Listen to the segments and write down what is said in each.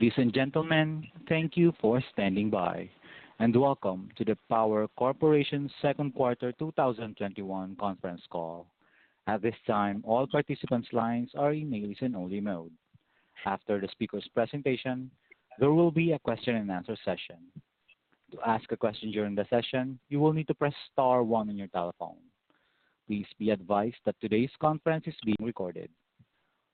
Ladies and gentlemen, thank you for standing by, and welcome to the Power Corporation Second Quarter 2021 Conference Call. At this time, all participants' lines are in a listen only mode. After the speakers' presentation, there will be a question and answer session, to ask a question during the session, you will need to press star one on your telephone. Please be advised that today's conference is being recorded.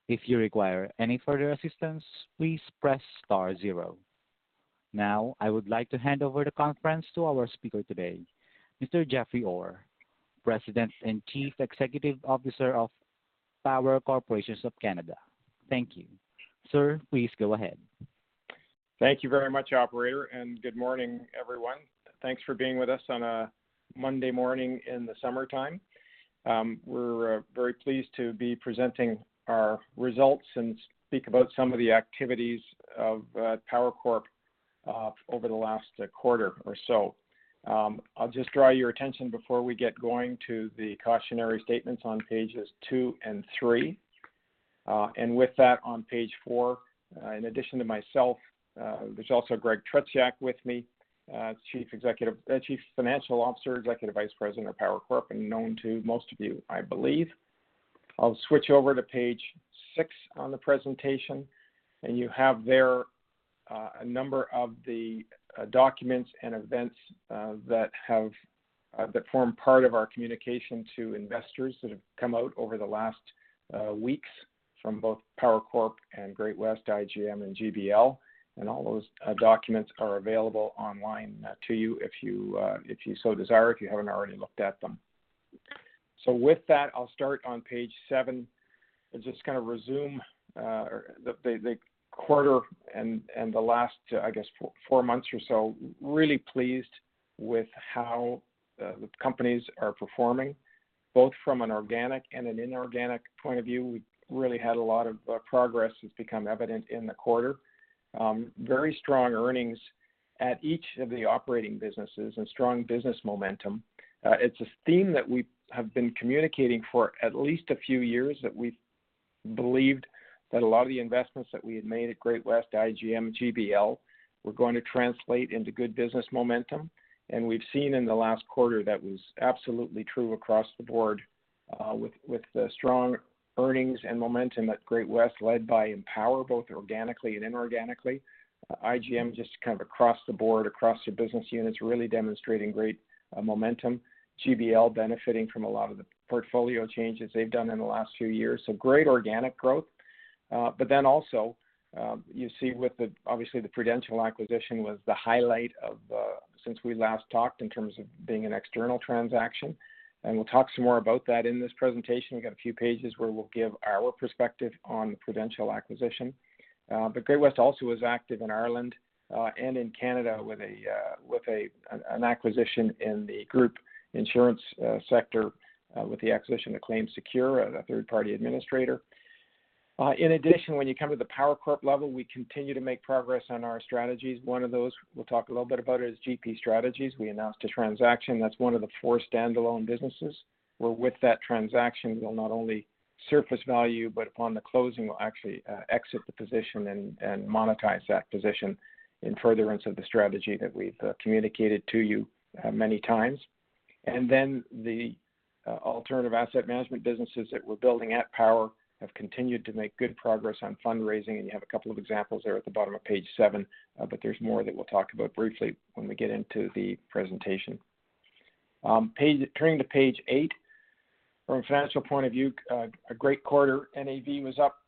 If you require any further assistance please press star zero. Now, I would like to hand over the conference to our speaker today, Mr. Jeffrey Orr, President and Chief Executive Officer of Power Corporation of Canada. Thank you. Sir, please go ahead. Thank you very much, operator. Good morning, everyone. Thanks for being with us on a Monday morning in the summertime. We're very pleased to be presenting our results and speak about some of the activities of Power Corp over the last quarter or so. I'll just draw your attention before we get going to the cautionary statements on pages two and three. With that, on page four, in addition to myself, there's also Greg Tretiak with me, Chief Financial Officer, Executive Vice-President of Power Corp, and known to most of you, I believe. I'll switch over to page six on the presentation. You have there a number of the documents and events that form part of our communication to investors that have come out over the last weeks from both Power Corp and Great-West, IGM, and GBL. All those documents are available online to you if you so desire, if you haven't already looked at them. With that, I'll start on page seven and just kind of resume the quarter and the last, I guess, four months or so. Really pleased with how the companies are performing, both from an organic and an inorganic point of view. We really had a lot of progress that's become evident in the quarter. Very strong earnings at each of the operating businesses and strong business momentum. It's a theme that we have been communicating for at least a few years that we believed that a lot of the investments that we had made at Great-West, IGM, GBL were going to translate into good business momentum. We've seen in the last quarter that was absolutely true across the board with the strong earnings and momentum at Great-West, led by Empower, both organically and inorganically. IGM just kind of across the board, across the business units, really demonstrating great momentum. GBL benefiting from a lot of the portfolio changes they've done in the last few years. Great organic growth. Also, you see with the, obviously the Prudential acquisition was the highlight since we last talked in terms of being an external transaction. We'll talk some more about that in this presentation. We've got a few pages where we'll give our perspective on the Prudential acquisition. Great-West also was active in Ireland and in Canada with an acquisition in the group insurance sector with the acquisition of ClaimSecure, a third-party administrator. When you come to the Power Corp level, we continue to make progress on our strategies. One of those we'll talk a little bit about is GP Strategies. We announced a transaction that's one of the four standalone businesses, where with that transaction will not only surface value, but upon the closing will actually exit the position and monetize that position in furtherance of the strategy that we've communicated to you many times. The alternative asset management businesses that we're building at Power have continued to make good progress on fundraising. You have a couple of examples there at the bottom of page seven, but there's more that we'll talk about briefly when we get into the presentation. Turning to page eight. From a financial point of view, a great quarter. NAV was up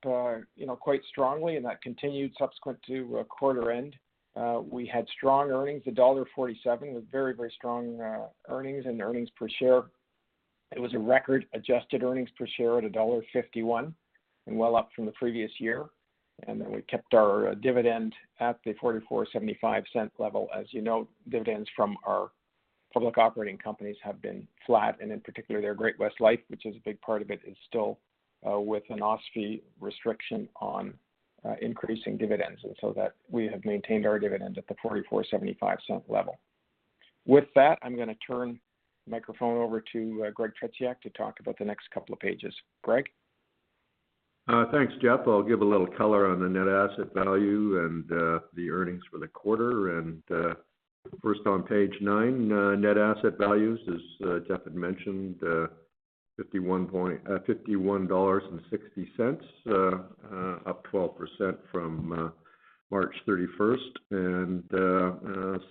quite strongly, and that continued subsequent to quarter end. We had strong earnings. Dollar 1.47 was very strong earnings and earnings per share. It was a record adjusted earnings per share at dollar 1.51 and well up from the previous year. Then we kept our dividend at the 44.75 level. As you know, dividends from our public operating companies have been flat, and in particular, their Great-West Lifeco, which is a big part of it, is still with an OSFI restriction on increasing dividends. So that we have maintained our dividends at the 44.75 level. With that, I'm going to turn the microphone over to Greg Tretiak to talk about the next couple of pages. Greg? Thanks, Jeff. I'll give a little color on the net asset value and the earnings for the quarter. First on page nine, net asset values, as Jeff had mentioned, 51.60 dollars, up 12% from March 31st.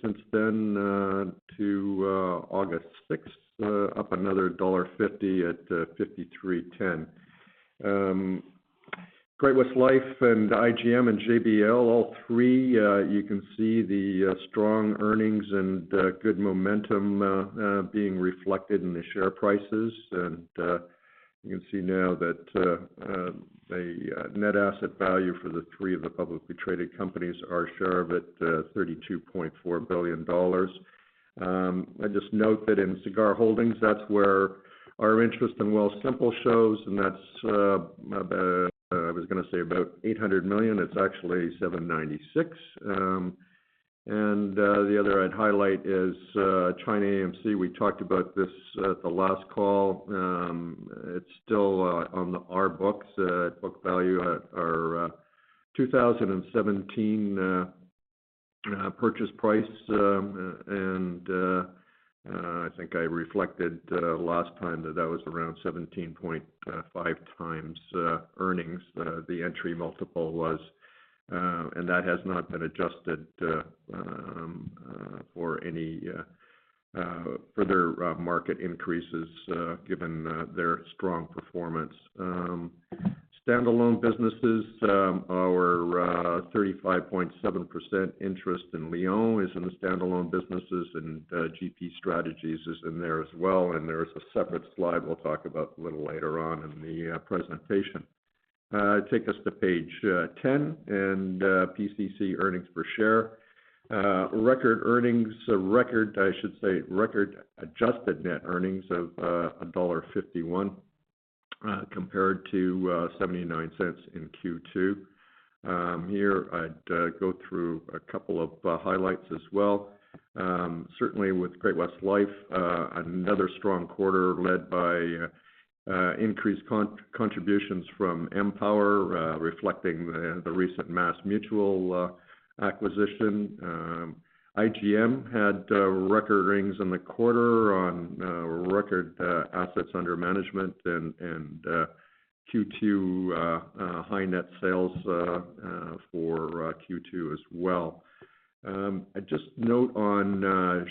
Since then to August 6th, up another dollar 1.50 at 53.10. Great-West Lifeco and IGM and GBL, all three you can see the strong earnings and good momentum being reflected in the share prices. You can see now that the net asset value for the three of the publicly traded companies are share of it, 32.4 billion dollars. I just note that in Sagard Holdings, that's where our interest in Wealthsimple shows, and that's, I was going to say about 800 million. It's actually 796 million. The other I'd highlight is ChinaAMC. We talked about this at the last call. It's still on our books at book value at our 2017 purchase price. I think I reflected last time that was around 17.5x earnings, the entry multiple was. That has not been adjusted for any further market increases given their strong performance. Standalone businesses, our 35.7% interest in Lion is in the standalone businesses, and GP Strategies is in there as well. There is a separate slide we'll talk about a little later on in the presentation. Take us to page 10 and PCC earnings per share. Record earnings, I should say record adjusted net earnings of dollar 1.51, compared to 0.79 in Q2. Here I'd go through a couple of highlights as well. Certainly with Great-West Lifeco, another strong quarter led by increased contributions from Empower, reflecting the recent MassMutual acquisition. IGM had record earnings in the quarter on record assets under management and Q2 high net sales for Q2 as well. I'd just note on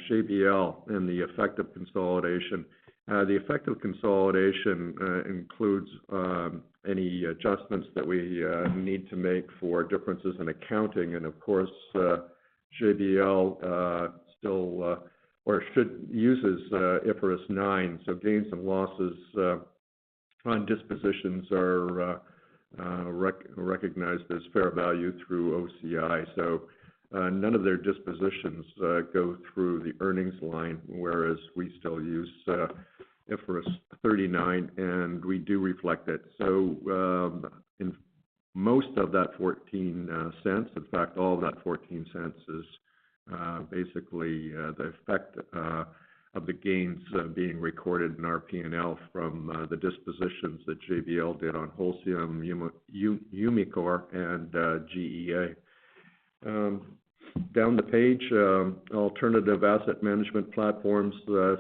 GBL and the effect of consolidation. The effect of consolidation includes any adjustments that we need to make for differences in accounting. Of course, GBL uses IFRS 9, so gains and losses on dispositions are recognized as fair value through OCI. None of their dispositions go through the earnings line, whereas we still use IAS 39, we do reflect it. Most of that 0.14, in fact, all of that 0.14 is basically the effect of the gains being recorded in our P&L from the dispositions that GBL did on Holcim, Umicore, and GEA. Down the page, alternative asset management platforms.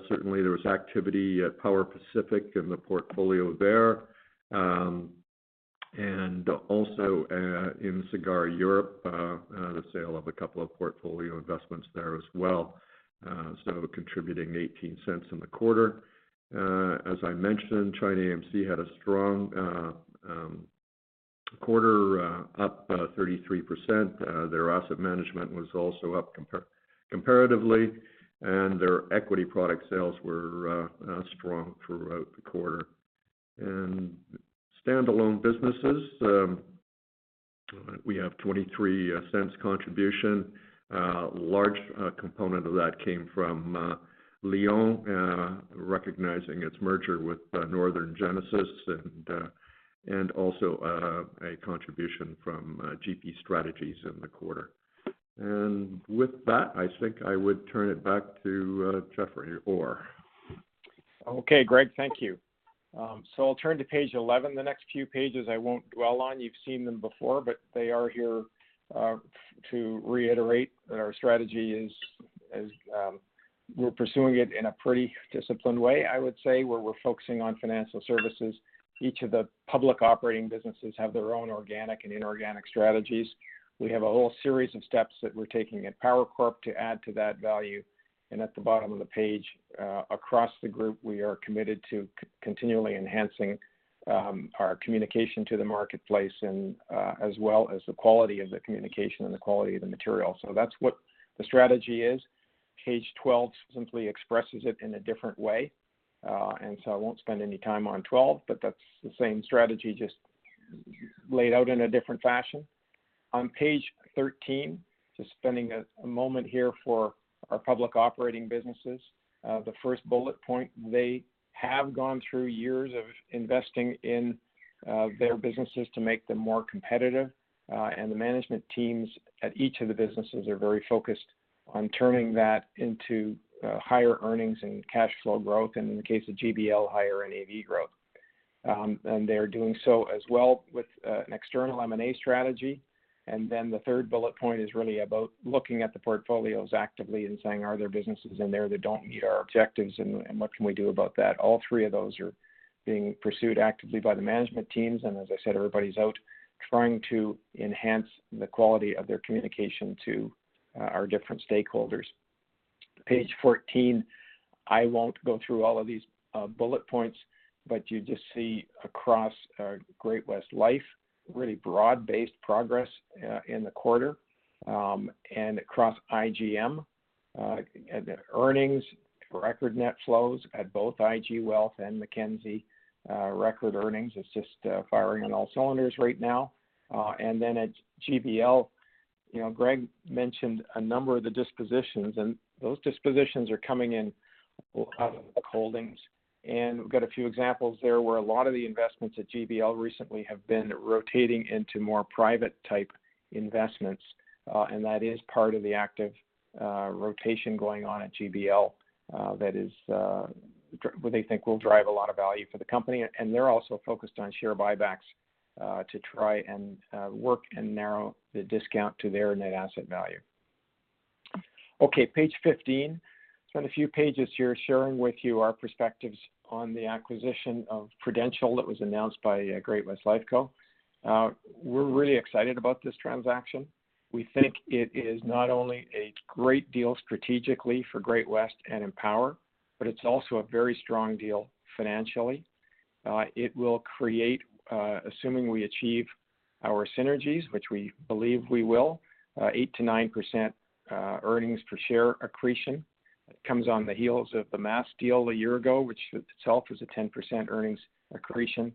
Certainly, there was activity at Power Pacific in the portfolio there. Also in Sagard Europe, the sale of a couple of portfolio investments there as well. Contributing 0.18 in the quarter. As I mentioned, ChinaAMC had a strong quarter up 33%. Their asset management was also up comparatively, their equity product sales were strong throughout the quarter. In standalone businesses, we have 0.23 contribution. A large component of that came from Lion recognizing its merger with Northern Genesis and also a contribution from GP Strategies in the quarter. With that, I think I would turn it back to Jeffrey Orr. Okay, Greg, thank you. I'll turn to page 11. The next few pages I won't dwell on. You've seen them before, but they are here to reiterate that our strategy is we're pursuing it in a pretty disciplined way, I would say, where we're focusing on financial services. Each of the public operating businesses have their own organic and inorganic strategies. We have a whole series of steps that we're taking at Power Corp to add to that value. At the bottom of the page, across the Group, we are committed to continually enhancing our communication to the marketplace and as well as the quality of the communication and the quality of the material. That's what the strategy is. Page 12 simply expresses it in a different way. I won't spend any time on 12, but that's the same strategy just laid out in a different fashion. On page 13, just spending a moment here for our public operating businesses. The first bullet point, they have gone through years of investing in their businesses to make them more competitive. The management teams at each of the businesses are very focused on turning that into higher earnings and cash flow growth, and in the case of GBL, higher NAV growth. They are doing so as well with an external M&A strategy. The third bullet point is really about looking at the portfolios actively and saying, "Are there businesses in there that don't meet our objectives, and what can we do about that?" All three of those are being pursued actively by the management teams. As I said, everybody's out trying to enhance the quality of their communication to our different stakeholders. Page 14, I won't go through all of these bullet points, you just see across Great-West Lifeco, really broad-based progress in the quarter. Across IGM, the earnings, record net flows at both IG Wealth and Mackenzie. Record earnings, it's just firing on all cylinders right now. At GBL, Greg mentioned a number of the dispositions, those dispositions are coming in holdings. We've got a few examples there where a lot of the investments at GBL recently have been rotating into more private type investments. That is part of the active rotation going on at GBL that is what they think will drive a lot of value for the company. They're also focused on share buybacks to try and work and narrow the discount to their net asset value. Okay, page 15. Spend a few pages here sharing with you our perspectives on the acquisition of Prudential that was announced by Great-West Lifeco. We're really excited about this transaction. We think it is not only a great deal strategically for Great-West and Empower, but it's also a very strong deal financially. It will create, assuming we achieve our synergies, which we believe we will, 8%-9% earnings per share accretion. It comes on the heels of the MassMutual deal a year ago, which itself was a 10% earnings accretion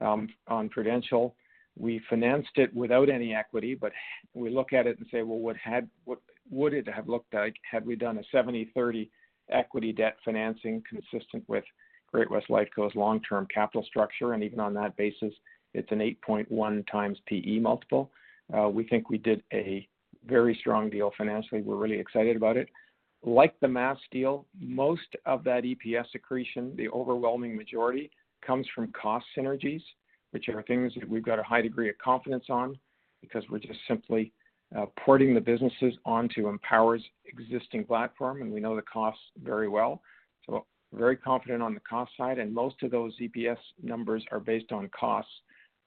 on Prudential. We financed it without any equity, but we look at it and say, "Well, what would it have looked like had we done a 70/30 equity debt financing consistent with Great-West Lifeco's long-term capital structure?" Even on that basis, it's an 8.1x PE multiple. We think we did a very strong deal financially. We're really excited about it. Like the MassMutual deal, most of that EPS accretion, the overwhelming majority, comes from cost synergies, which are things that we've got a high degree of confidence on because we're just simply porting the businesses onto Empower's existing platform, and we know the costs very well. Very confident on the cost side, Most of those EPS numbers are based on costs,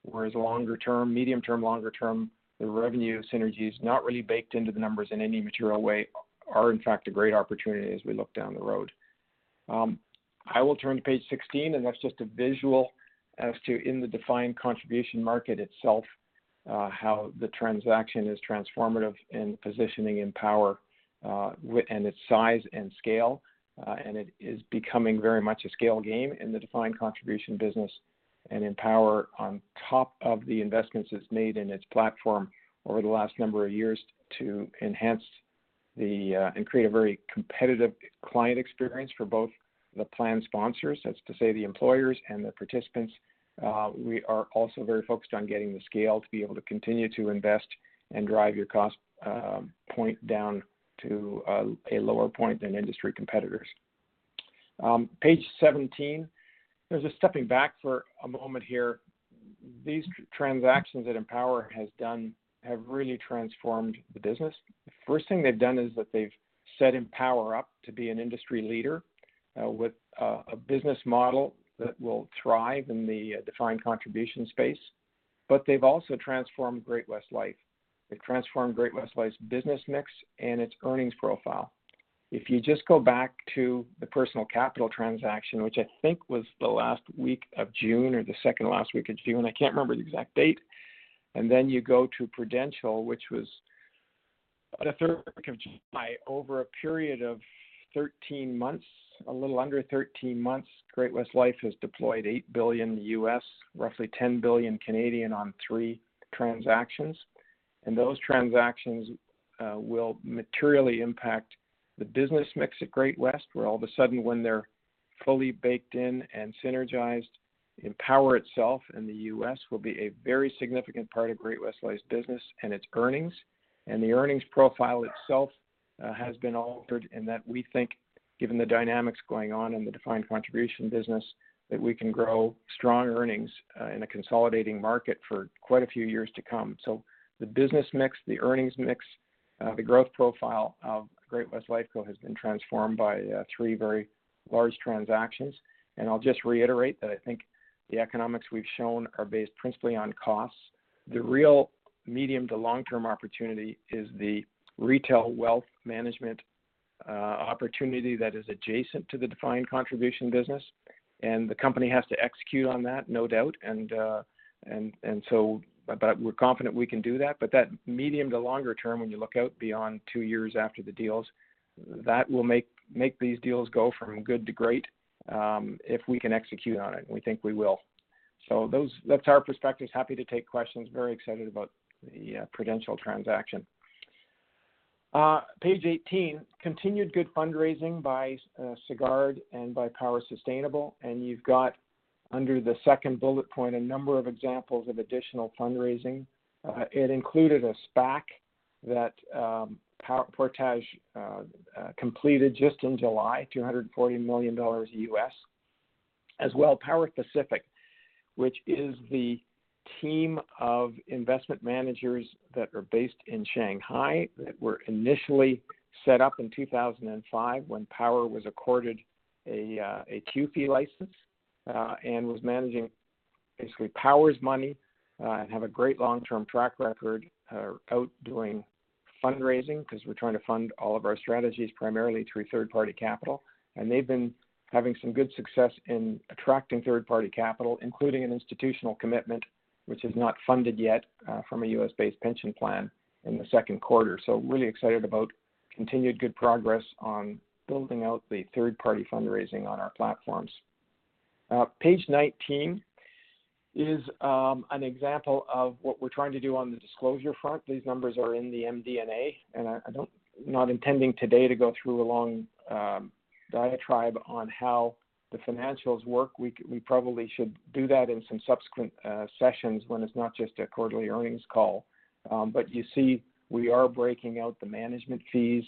whereas longer term, medium term, longer term, the revenue synergy is not really baked into the numbers in any material way, are in fact a great opportunity as we look down the road. I will turn to page 16. That's just a visual as to in the defined contribution market itself how the transaction is transformative in positioning Empower and its size and scale. It is becoming very much a scale game in the defined contribution business and Empower on top of the investments it's made in its platform over the last number of years to enhance and create a very competitive client experience for both the plan sponsors, that's to say the employers and the participants. We are also very focused on getting the scale to be able to continue to invest and drive your cost point down to a lower point than industry competitors. Page 17. There's a stepping back for a moment here. These transactions that Empower has done have really transformed the business. The first thing they've done is that they've set Empower up to be an industry leader with a business model that will thrive in the defined contribution space. They've also transformed Great-West Lifeco. They've transformed Great-West Lifeco's business mix and its earnings profile. If you just go back to the Personal Capital transaction, which I think was the last week of June or the second last week of June, I can't remember the exact date. Then you go to Prudential, which was the third week of July. Over a period of 13 months, a little under 13 months, Great-West Lifeco has deployed $8 billion, roughly 10 billion on three transactions. Those transactions will materially impact the business mix at Great-West, where all of a sudden when they're fully baked in and synergized, Empower itself in the U.S. will be a very significant part of Great-West Lifeco's business and its earnings. The earnings profile itself has been altered in that we think, given the dynamics going on in the defined contribution business, that we can grow strong earnings in a consolidating market for quite a few years to come. The business mix, the earnings mix, the growth profile of Great-West Lifeco has been transformed by three very large transactions. I'll just reiterate that I think the economics we've shown are based principally on costs. The real medium to long-term opportunity is the retail wealth management opportunity that is adjacent to the defined contribution business. The company has to execute on that, no doubt. We're confident we can do that. That medium to longer term, when you look out beyond two years after the deals, that will make these deals go from good to great if we can execute on it, and we think we will. That's our perspective. Happy to take questions. Very excited about the Prudential transaction. Page 18, continued good fundraising by Sagard and by Power Sustainable. You've got under the second bullet point a number of examples of additional fundraising. It included a SPAC that Portage completed just in July, $240 million USD. Power Pacific, which is the team of investment managers that are based in Shanghai that were initially set up in 2005 when Power was accorded a QF license and was managing basically Power's money and have a great long-term track record out doing fundraising because we're trying to fund all of our strategies primarily through third-party capital. They've been having some good success in attracting third-party capital, including an institutional commitment, which is not funded yet from a U.S.-based pension plan in the second quarter. Really excited about continued good progress on building out the third-party fundraising on our platforms. Page 19 is an example of what we're trying to do on the disclosure front. These numbers are in the MD&A, and I'm not intending today to go through a long diatribe on how the financials work. We probably should do that in some subsequent sessions when it's not just a quarterly earnings call. You see we are breaking out the management fees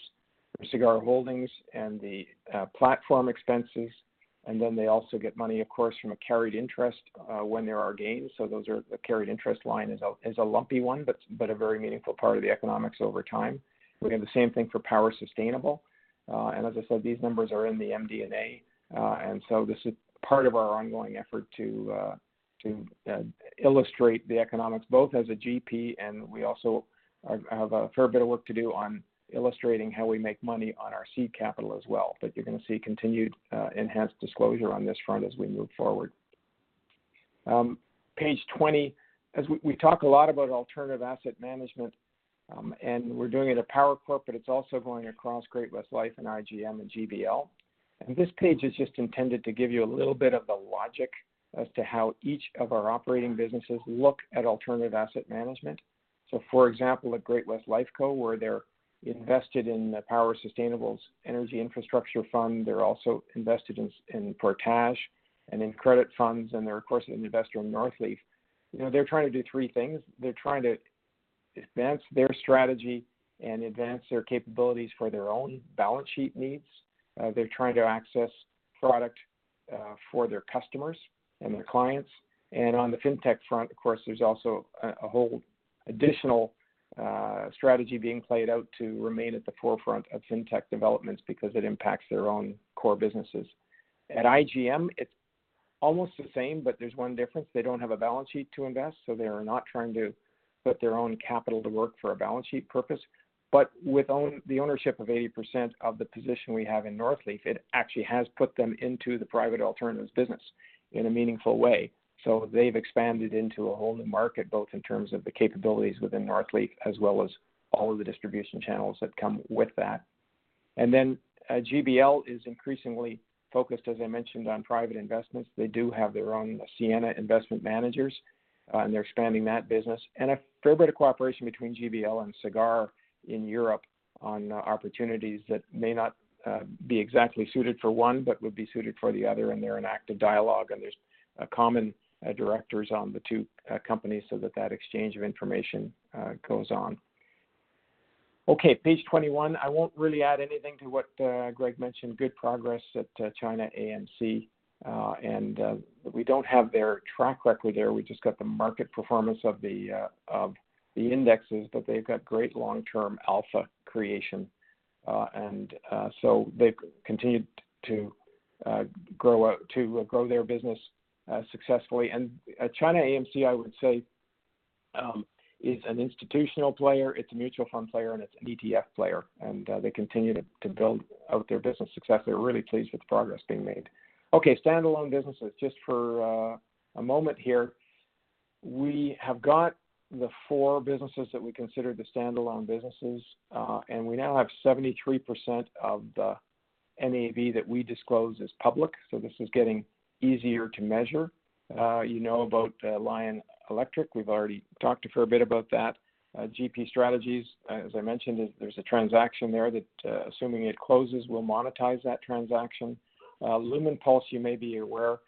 for Sagard Holdings and the platform expenses, and then they also get money, of course, from a carried interest when there are gains. Those are, the carried interest line is a lumpy one, but a very meaningful part of the economics over time. We have the same thing for Power Sustainable. As I said, these numbers are in the MD&A. This is part of our ongoing effort to illustrate the economics both as a GP, and we also have a fair bit of work to do on illustrating how we make money on our seed capital as well. You're going to see continued enhanced disclosure on this front as we move forward. Page 20. As we talk a lot about alternative asset management, and we're doing it at Power Corp, but it's also going across Great-West Lifeco and IGM and GBL. This page is just intended to give you a little bit of the logic as to how each of our operating businesses look at alternative asset management. For example, at Great-West Lifeco, where they're invested in the Power Sustainable Energy Infrastructure Partnership, they're also invested in Portage and in credit funds, and they're, of course, an investor in Northleaf. They're trying to do three things. They're trying to advance their strategy and advance their capabilities for their own balance sheet needs. They're trying to access product for their customers and their clients. On the fintech front, of course, there's also a whole additional strategy being played out to remain at the forefront of fintech developments because it impacts their own core businesses. At IGM, it's almost the same, but there's one difference. They don't have a balance sheet to invest, so they are not trying to put their own capital to work for a balance sheet purpose. With the ownership of 80% of the position we have in Northleaf, it actually has put them into the private alternatives business in a meaningful way. They've expanded into a whole new market, both in terms of the capabilities within Northleaf as well as all of the distribution channels that come with that. GBL is increasingly focused, as I mentioned, on private investments. They do have their own Sienna Investment Managers, and they're expanding that business. A fair bit of cooperation between GBL and Sagard in Europe on opportunities that may not be exactly suited for one but would be suited for the other. They're in active dialogue, and there's common directors on the two companies so that exchange of information goes on. Okay, page 21. I won't really add anything to what Greg mentioned. Good progress at ChinaAMC. We don't have their track record there. We just got the market performance of the indexes, but they've got great long-term alpha creation. They've continued to grow their business successfully. ChinaAMC, I would say, is an institutional player, it's a mutual fund player, and it's an ETF player. They continue to build out their business success. They're really pleased with the progress being made. Okay, stand-alone businesses. Just for a moment here. We have got the four businesses that we consider the stand-alone businesses. We now have 73% of the NAV that we disclose as public. This is getting easier to measure. You know about Lion Electric. We've already talked fair a bit about that. GP Strategies, as I mentioned, there's a transaction there that, assuming it closes, we'll monetize that transaction. Lumenpulse, you may be aware,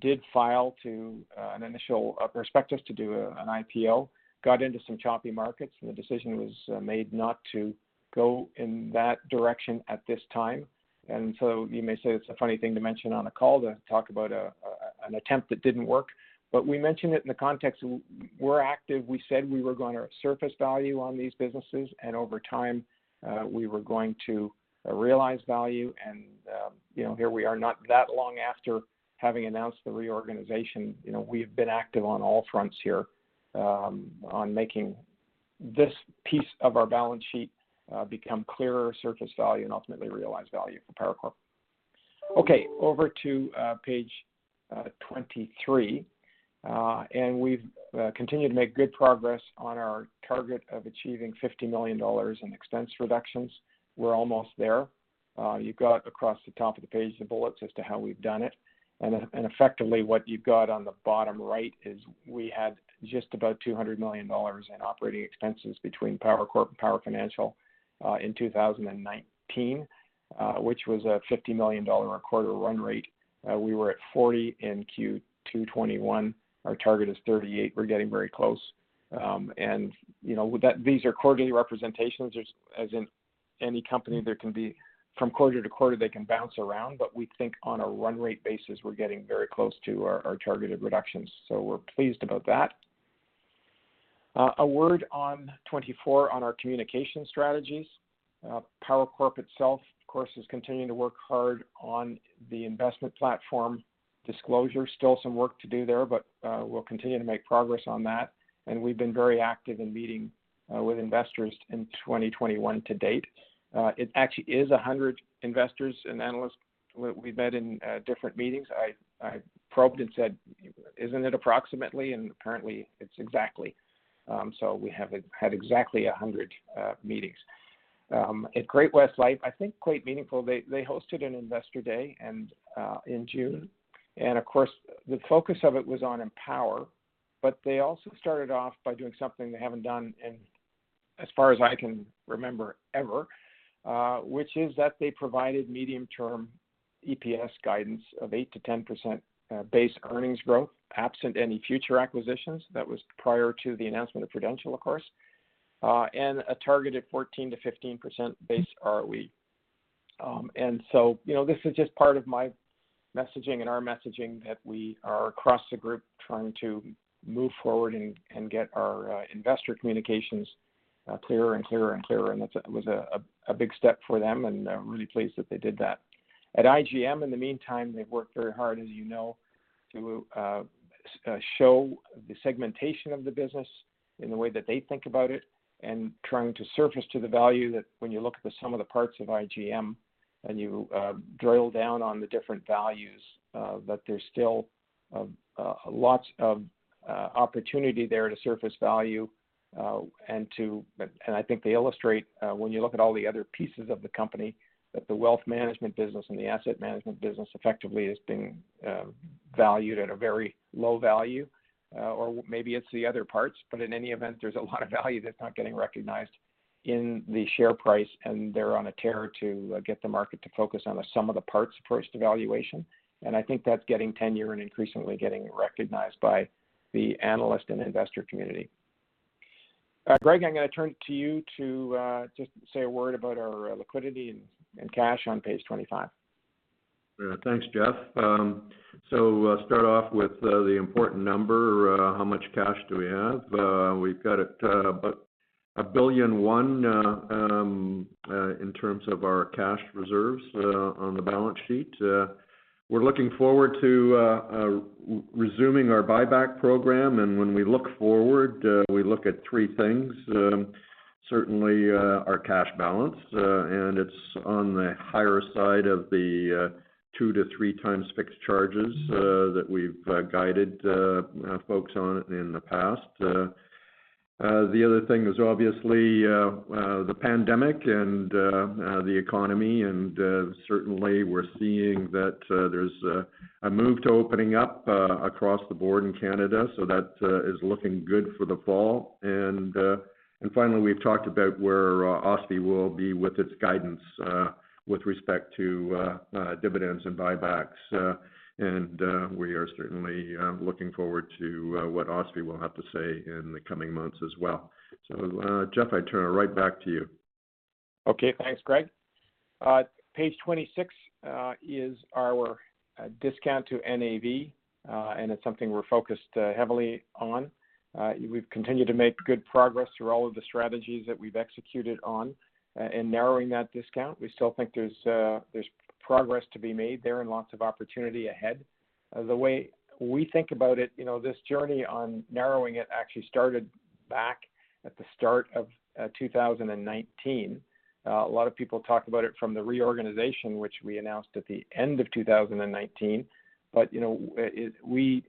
did file to an initial prospectus to do an IPO, got into some choppy markets, and the decision was made not to go in that direction at this time. You may say it's a funny thing to mention on a call to talk about an attempt that didn't work. We mention it in the context, we're active. We said we were going to surface value on these businesses, and over time, we were going to realize value. Here we are not that long after having announced the reorganization. We've been active on all fronts here on making this piece of our balance sheet become clearer surface value and ultimately realized value for Power Corp. Okay, over to page 23. We've continued to make good progress on our target of achieving 50 million dollars in expense reductions. We're almost there. You've got across the top of the page the bullets as to how we've done it. Effectively, what you've got on the bottom right is we had just about 200 million dollars in operating expenses between Power Corp and Power Financial in 2019, which was a 50 million dollar quarter run rate. We were at 40 million in Q2 2021. Our target is 38 million. We're getting very close. These are quarterly representations. As in any company, from quarter to quarter, they can bounce around. We think on a run rate basis, we're getting very close to our targeted reductions. We're pleased about that. A word on 24 on our communication strategies. Power Corp itself, of course, is continuing to work hard on the investment platform disclosure. Still some work to do there, but we'll continue to make progress on that. We've been very active in meeting with investors in 2021 to date. It actually is 100 investors and analysts we've met in different meetings. I probed and said, 'Isn't it approximately?' Currently it's exactly. We have had exactly 100 meetings. At Great-West Lifeco, I think quite meaningful, they hosted an investor day in June. Of course, the focus of it was on Empower. They also started off by doing something they haven't done in, as far as I can remember, ever, which is that they provided medium term EPS guidance of 8% - 10% base earnings growth, absent any future acquisitions. That was prior to the announcement of Prudential, of course. A target of 14% - 15% base ROE. This is just part of my messaging and our messaging that we are, across the group, trying to move forward and get our investor communications clearer and clearer. That was a big step for them, and I'm really pleased that they did that. At IGM, in the meantime, they've worked very hard, as you know, to show the segmentation of the business in the way that they think about it, and trying to surface to the value that when you look at the sum of the parts of IGM and you drill down on the different values, that there's still lots of opportunity there to surface value. I think they illustrate, when you look at all the other pieces of the company, that the wealth management business and the asset management business effectively is being valued at a very low value. Maybe it's the other parts, but in any event, there's a lot of value that's not getting recognized in the share price, and they're on a tear to get the market to focus on the sum of the parts first evaluation. I think that's getting tenure and increasingly getting recognized by the analyst and investor community. Greg, I'm going to turn to you to just say a word about our liquidity and cash on page 25. Thanks, Jeff. Start off with the important number. How much cash do we have? We've got about 1.1 billion in terms of our cash reserves on the balance sheet. We're looking forward to resuming our buyback program. When we look forward, we look at three things. Certainly, our cash balance, and it's on the higher side of the 2x to 3x fixed charges that we've guided folks on in the past. The other thing is obviously the pandemic and the economy, and certainly we're seeing that there's a move to opening up across the board in Canada. That is looking good for the fall. Finally, we've talked about where OSFI will be with its guidance with respect to dividends and buybacks. We are certainly looking forward to what OSFI will have to say in the coming months as well. Jeff, I turn it right back to you. Okay, thanks, Greg. Page 26 is our discount to NAV. It's something we're focused heavily on. We've continued to make good progress through all of the strategies that we've executed on in narrowing that discount. We still think there's progress to be made there and lots of opportunity ahead. The way we think about it, this journey on narrowing it actually started back at the start of 2019. A lot of people talk about it from the reorganization, which we announced at the end of 2019. We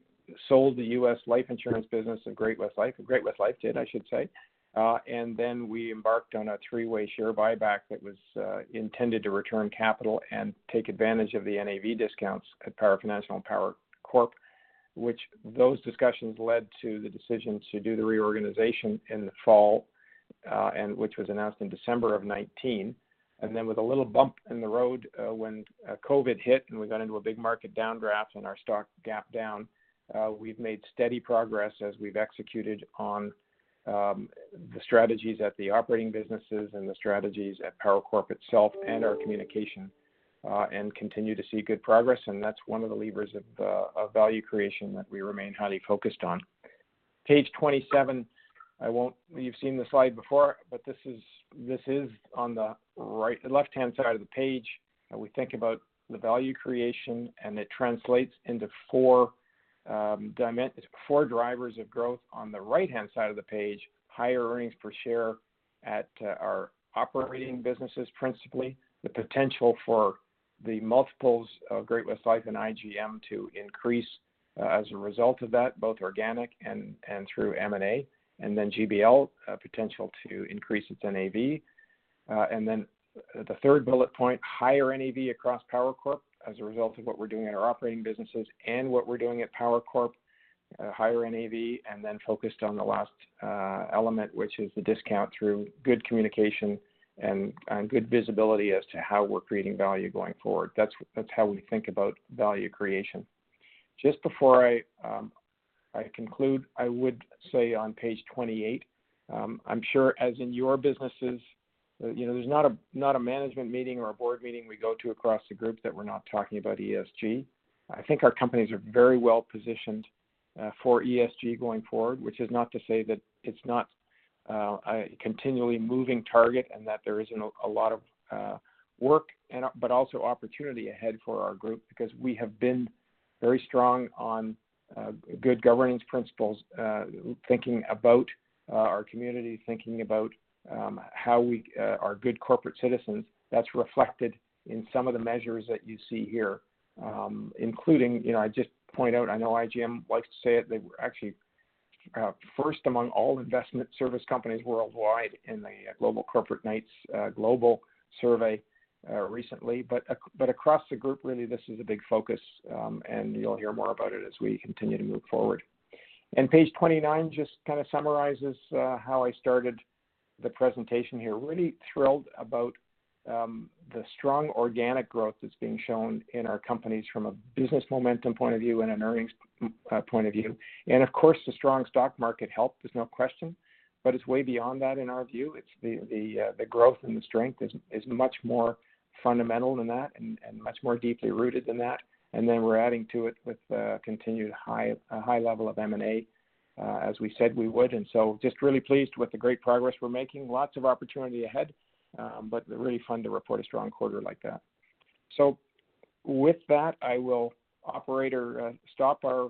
sold the U.S. life insurance business to Great-West Lifeco. Great-West Lifeco did, I should say. We embarked on a three way share buyback that was intended to return capital and take advantage of the NAV discounts at Power Financial and Power Corp, which those discussions led to the decision to do the reorganization in the fall, which was announced in December 2019. With a little bump in the road when COVID hit and we got into a big market downdraft and our stock gapped down, we've made steady progress as we've executed on the strategies at the operating businesses and the strategies at Power Corp itself and our communication, and continue to see good progress. That's one of the levers of value creation that we remain highly focused on. Page 27. You've seen the slide before, but this is on the left-hand side of the page. We think about the value creation, it translates into four drivers of growth on the right-hand side of the page. Higher earnings per share at our operating businesses, principally. The potential for the multiples of Great-West Lifeco and IGM to increase as a result of that, both organic and through M&A. GBL potential to increase its NAV. The third bullet point, higher NAV across Power Corp. As a result of what we're doing at our operating businesses and what we're doing at Power Corp, higher NAV. Focused on the last element, which is the discount through good communication and good visibility as to how we're creating value going forward. That's how we think about value creation. Just before I conclude, I would say on page 28, I'm sure as in your businesses, there's not a management meeting or a board meeting we go to across the group that we're not talking about ESG. I think our companies are very well positioned for ESG going forward, which is not to say that it's not a continually moving target and that there isn't a lot of work, but also opportunity ahead for our group because we have been very strong on good governance principles. Thinking about our community, thinking about how we are good corporate citizens. That's reflected in some of the measures that you see here. Including, I just point out, I know IGM likes to say it, they were actually first among all investment service companies worldwide in the Global Corporate Knights Global survey recently. Across the group, really, this is a big focus, and you'll hear more about it as we continue to move forward. Page 29 just kind of summarizes how I started the presentation here. Really thrilled about the strong organic growth that's being shown in our companies from a business momentum point of view and an earnings point of view. Of course, the strong stock market helped, there's no question. It's way beyond that in our view. The growth and the strength is much more fundamental than that and much more deeply rooted than that. Then we're adding to it with continued high level of M&A as we said we would. Just really pleased with the great progress we're making. Lots of opportunity ahead. Really fun to report a strong quarter like that. With that, I will, operator, stop our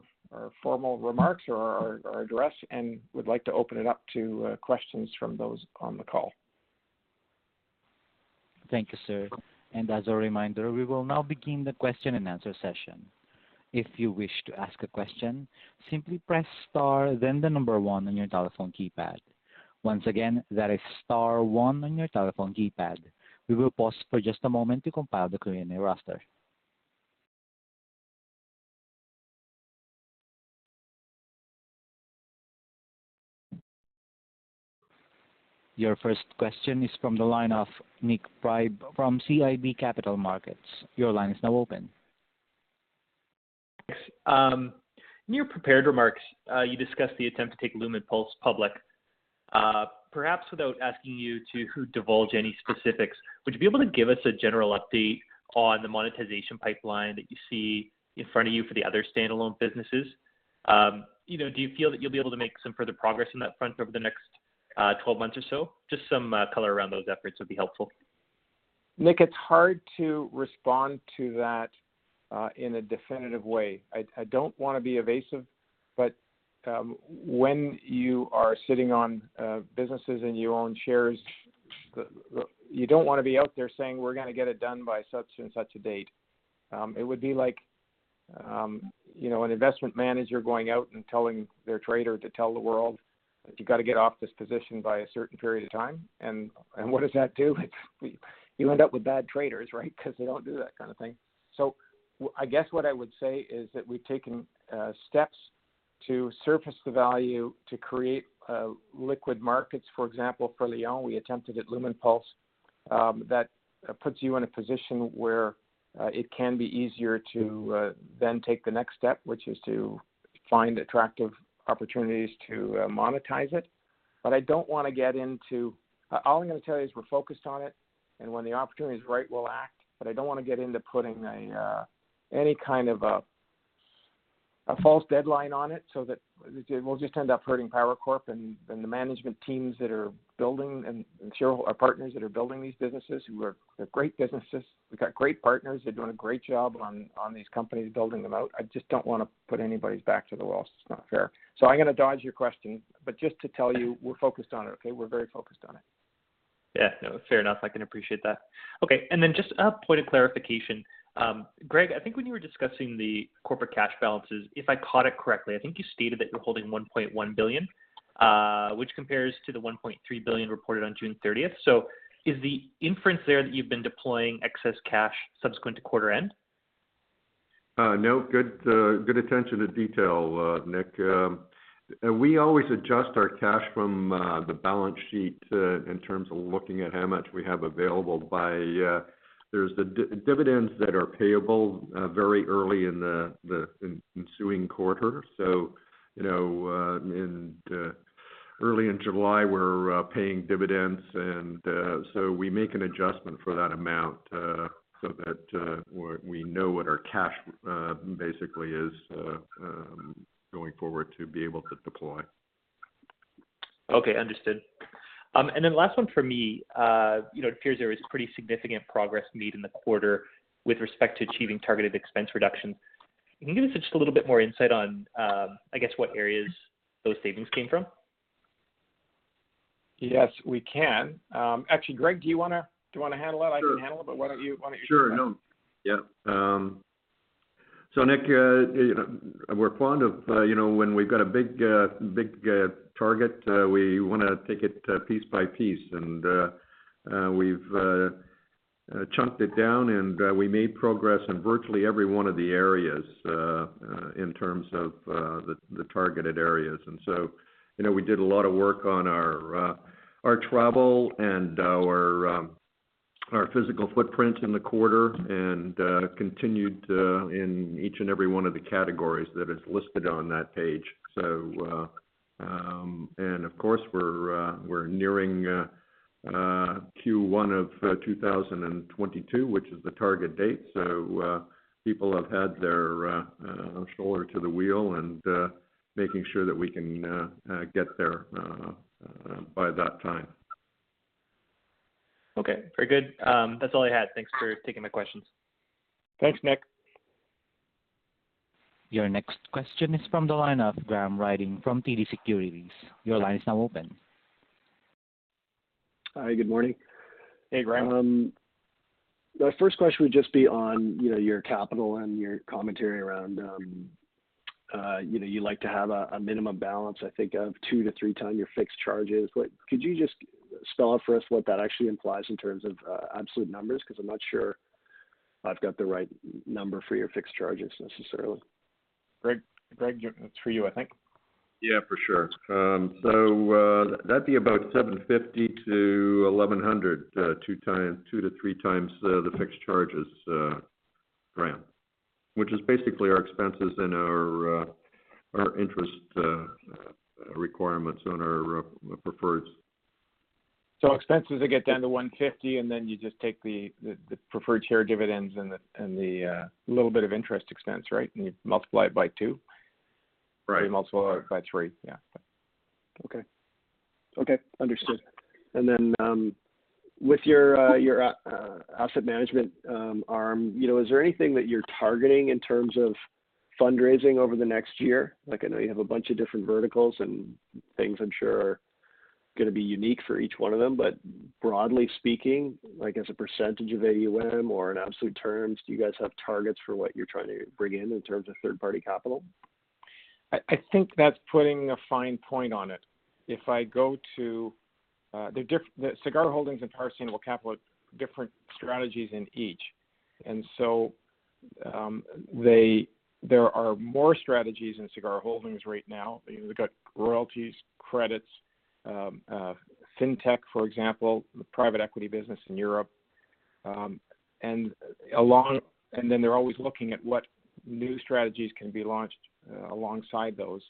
formal remarks or our address and would like to open it up to questions from those on the call. Thank you, sir. As a reminder, we will now begin the question and answer session. If you wish to ask a question, simply press star then one on your telephone keypad. Once again, that is star one on your telephone keypad. We will pause for just a moment to compile the Q&A roster. Your first question is from the line of Nik Priebe from CIBC Capital Markets. Your line is now open. Thanks. In your prepared remarks, you discussed the attempt to take Lumenpulse public. Perhaps without asking you to divulge any specifics, would you be able to give us a general update on the monetization pipeline that you see in front of you for the other standalone businesses? Do you feel that you'll be able to make some further progress on that front over the next 12 months or so? Just some color around those efforts would be helpful. Nik, it's hard to respond to that in a definitive way. I don't want to be evasive, but when you are sitting on businesses and you own shares, you don't want to be out there saying, "We're going to get it done by such and such a date." It would be like an investment manager going out and telling their trader to tell the world that you got to get off this position by a certain period of time. What does that do? You end up with bad traders, right? Because they don't do that kind of thing. I guess what I would say is that we've taken steps to surface the value to create liquid markets. For example, for Lion, we attempted at Lumenpulse. That puts you in a position where it can be easier to then take the next step, which is to find attractive opportunities to monetize it. I don't want to get into. All I'm going to tell you is we're focused on it, and when the opportunity is right, we'll act. I don't want to get into putting any kind of a false deadline on it so that we'll just end up hurting Power Corp and the management teams that are building and share. Partners that are building these businesses. They're great businesses. We've got great partners. They're doing a great job on these companies, building them out. I just don't want to put anybody's back to the wall. It's not fair. I'm going to dodge your question, but just to tell you we're focused on it, okay? We're very focused on it. Yeah, no, fair enough. I can appreciate that. Just a point of clarification. Greg, I think when you were discussing the corporate cash balances, if I caught it correctly, I think you stated that you're holding 1.1 billion, which compares to 1.3 billion reported on June 30th. Is the inference there that you've been deploying excess cash subsequent to quarter end? No, good attention to detail, Nik. We always adjust our cash from the balance sheet in terms of looking at how much we have available by, there's the dividends that are payable very early in the ensuing quarter. Early in July, we're paying dividends, and so we make an adjustment for that amount, so that we know what our cash basically is, going forward to be able to deploy. Okay, understood. Last one from me. It appears there was pretty significant progress made in the quarter with respect to achieving targeted expense reduction. Can you give us just a little bit more insight on, I guess, what areas those savings came from? Yes, we can. Actually, Greg, do you want to handle that? Sure. I can handle it, but why don't you? Why don't you take that? Sure, no. Yeah. Nik, we're fond of when we've got a big target, we want to take it piece by piece. We've chunked it down, and we made progress in virtually every one of the areas, in terms of the targeted areas. We did a lot of work on our travel and our physical footprint in the quarter and continued in each and every one of the categories that is listed on that page. Of course, we're nearing Q1 of 2022, which is the target date. People have had their shoulder to the wheel and making sure that we can get there by that time. Okay. Very good. That's all I had. Thanks for taking the questions. Thanks, Nik. Your next question is from the line of Graham Ryding from TD Securities. Your line is now open. Hi, good morning. Hey, Graham. The first question would just be on your capital and your commentary around you like to have a minimum balance, I think, of 2x to 3x your fixed charges. Could you just spell out for us what that actually implies in terms of absolute numbers? Because I'm not sure I've got the right number for your fixed charges necessarily. Greg, that's for you, I think. Yeah, for sure. That'd be about 750-1,100, 2x to 3x the fixed charges, Graham. Which is basically our expenses and our interest requirements on our preferred. Expenses that get down to 150 and then you just take the preferred share dividends and the little bit of interest expense, right? You multiply it by two. Right. You multiply by three. Yeah. Okay. Understood. With your asset management arm, is there anything that you're targeting in terms of fundraising over the next year? I know you have a bunch of different verticals and things I'm sure are going to be unique for each one of them, broadly speaking, as a percentage of AUM or in absolute terms, do you guys have targets for what you're trying to bring in terms of third-party capital? I think that's putting a fine point on it. Sagard Holdings and Power Sustainable Capital have different strategies in each. There are more strategies in Sagard Holdings right now. They've got royalties, credits, fintech, for example, the private equity business in Europe. They're always looking at what new strategies can be launched alongside those.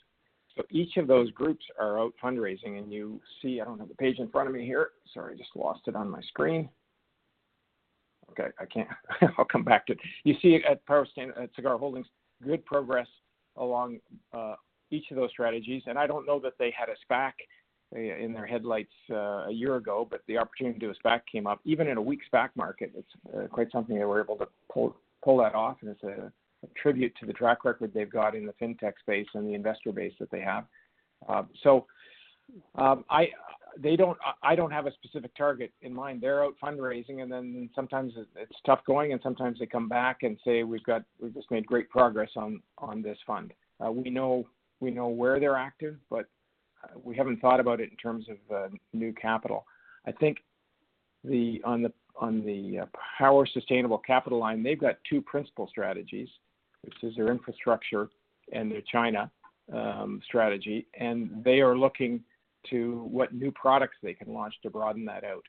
Each of those groups are out fundraising. I don't have the page in front of me here. Sorry, just lost it on my screen. Okay, I'll come back to it. You see at Sagard Holdings, good progress along each of those strategies. I don't know that they had a SPAC in their headlights a year ago, but the opportunity to do a SPAC came up. Even in a weak SPAC market, it's quite something they were able to pull that off, and it's a tribute to the track record they've got in the fintech space and the investor base that they have. I don't have a specific target in mind. They're out fundraising, sometimes it's tough going, and sometimes they come back and say, "We've just made great progress on this fund." We know where they're active, but we haven't thought about it in terms of new capital. I think on the Power Sustainable Capital line, they've got two principal strategies. Which is their infrastructure and their China strategy, and they are looking to what new products they can launch to broaden that out.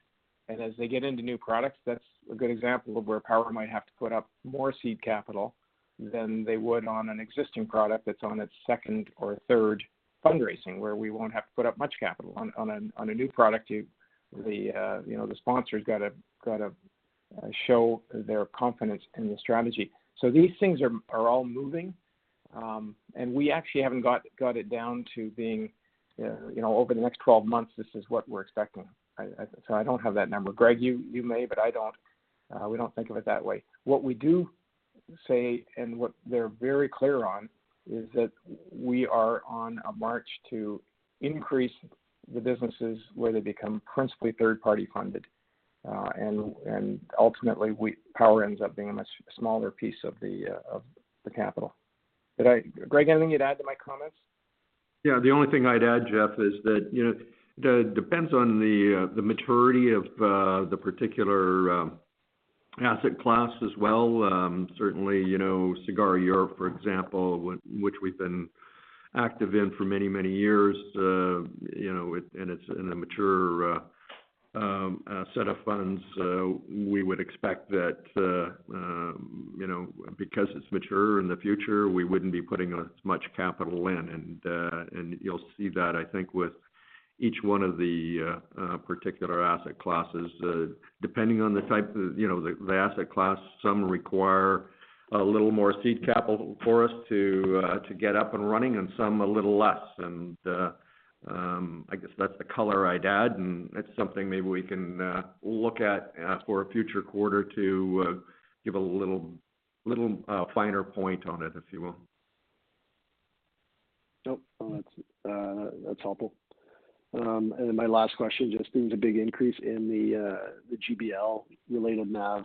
As they get into new products, that's a good example of where Power might have to put up more seed capital than they would on an existing product that's on its second or third fundraising, where we won't have to put up much capital. On a new product, the sponsor's got to show their confidence in the strategy. These things are all moving. We actually haven't got it down to being, over the next 12 months, this is what we're expecting. I don't have that number. Greg, you may, but I don't. We don't think of it that way. What we do say, and what they're very clear on, is that we are on a march to increase the businesses where they become principally third-party funded. Ultimately, Power ends up being a much smaller piece of the capital. Greg, anything you'd add to my comments? The only thing I'd add, Jeff, is that it depends on the maturity of the particular asset class as well. Certainly, Sagard Europe, for example, which we've been active in for many, many years, and it's in a mature set of funds. We would expect that because it's mature in the future, we wouldn't be putting as much capital in. You'll see that, I think, with each one of the particular asset classes. Depending on the type of the asset class, some require a little more seed capital for us to get up and running, and some a little less. I guess that's the color I'd add, and that's something maybe we can look at for a future quarter to give a little finer point on it, if you will. Nope. No, that is helpful. My last question, just seeing the big increase in the GBL related NAV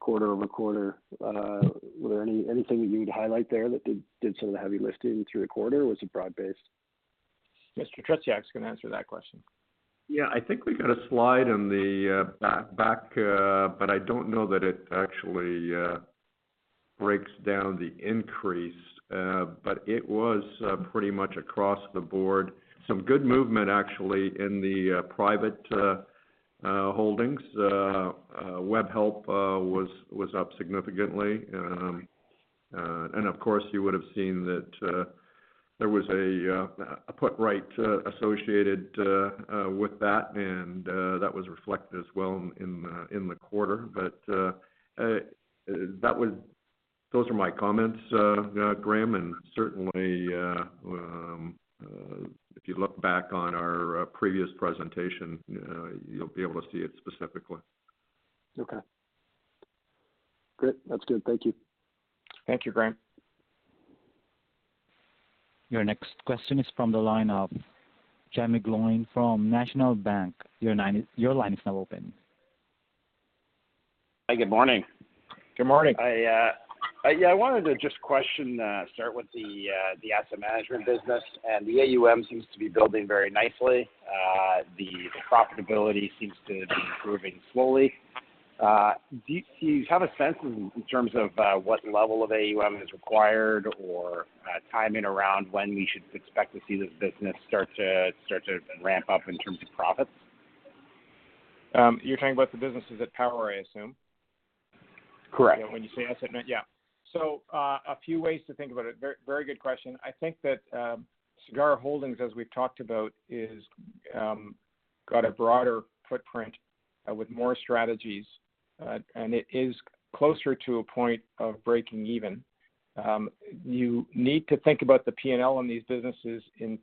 quarter-over-quarter. Was there anything that you would highlight there that did some of the heavy lifting through the quarter? Was it broad-based? Mr. Tretiak is going to answer that question. Yeah, I think we've got a slide on the back, but I don't know that it actually breaks down the increase. It was pretty much across the board. Some good movement, actually, in the private holdings. Webhelp was up significantly. Of course, you would've seen that there was a put right associated with that, and that was reflected as well in the quarter. Those are my comments, Graham, and certainly, if you look back on our previous presentation, you'll be able to see it specifically. Okay. Great. That's good. Thank you. Thank you, Graham. Your next question is from the line of Jaeme Gloyn from National Bank. Your line is now open. Hi, good morning. Good morning. I wanted to just start with the asset management business. The AUM seems to be building very nicely. The profitability seems to be improving slowly. Do you have a sense in terms of what level of AUM is required or timing around when we should expect to see this business start to ramp up in terms of profits? You're talking about the businesses at Power, I assume? Correct. When you say asset, yeah. A few ways to think about it. Very good question. I think that Sagard Holdings, as we've talked about, has got a broader footprint with more strategies. It is closer to a point of breaking even. You need to think about the P&L on these businesses in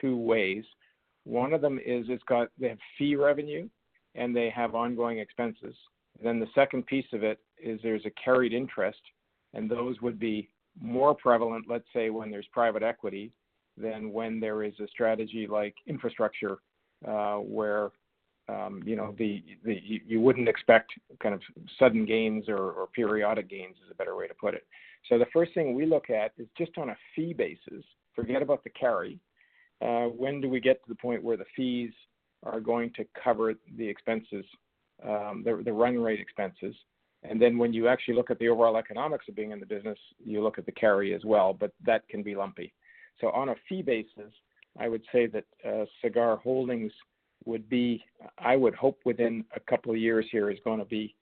two ways. One of them is they have fee revenue, and they have ongoing expenses. The second piece of it is there's a carried interest, and those would be more prevalent, let's say, when there's private equity than when there is a strategy like infrastructure, where you wouldn't expect kind of sudden gains or periodic gains, is a better way to put it. The first thing we look at is just on a fee basis. Forget about the carry. When do we get to the point where the fees are going to cover the expenses, the run rate expenses? Then when you actually look at the overall economics of being in the business, you look at the carry as well, but that can be lumpy. On a fee basis, I would say that Sagard Holdings would be, I would hope within two years here, is going to be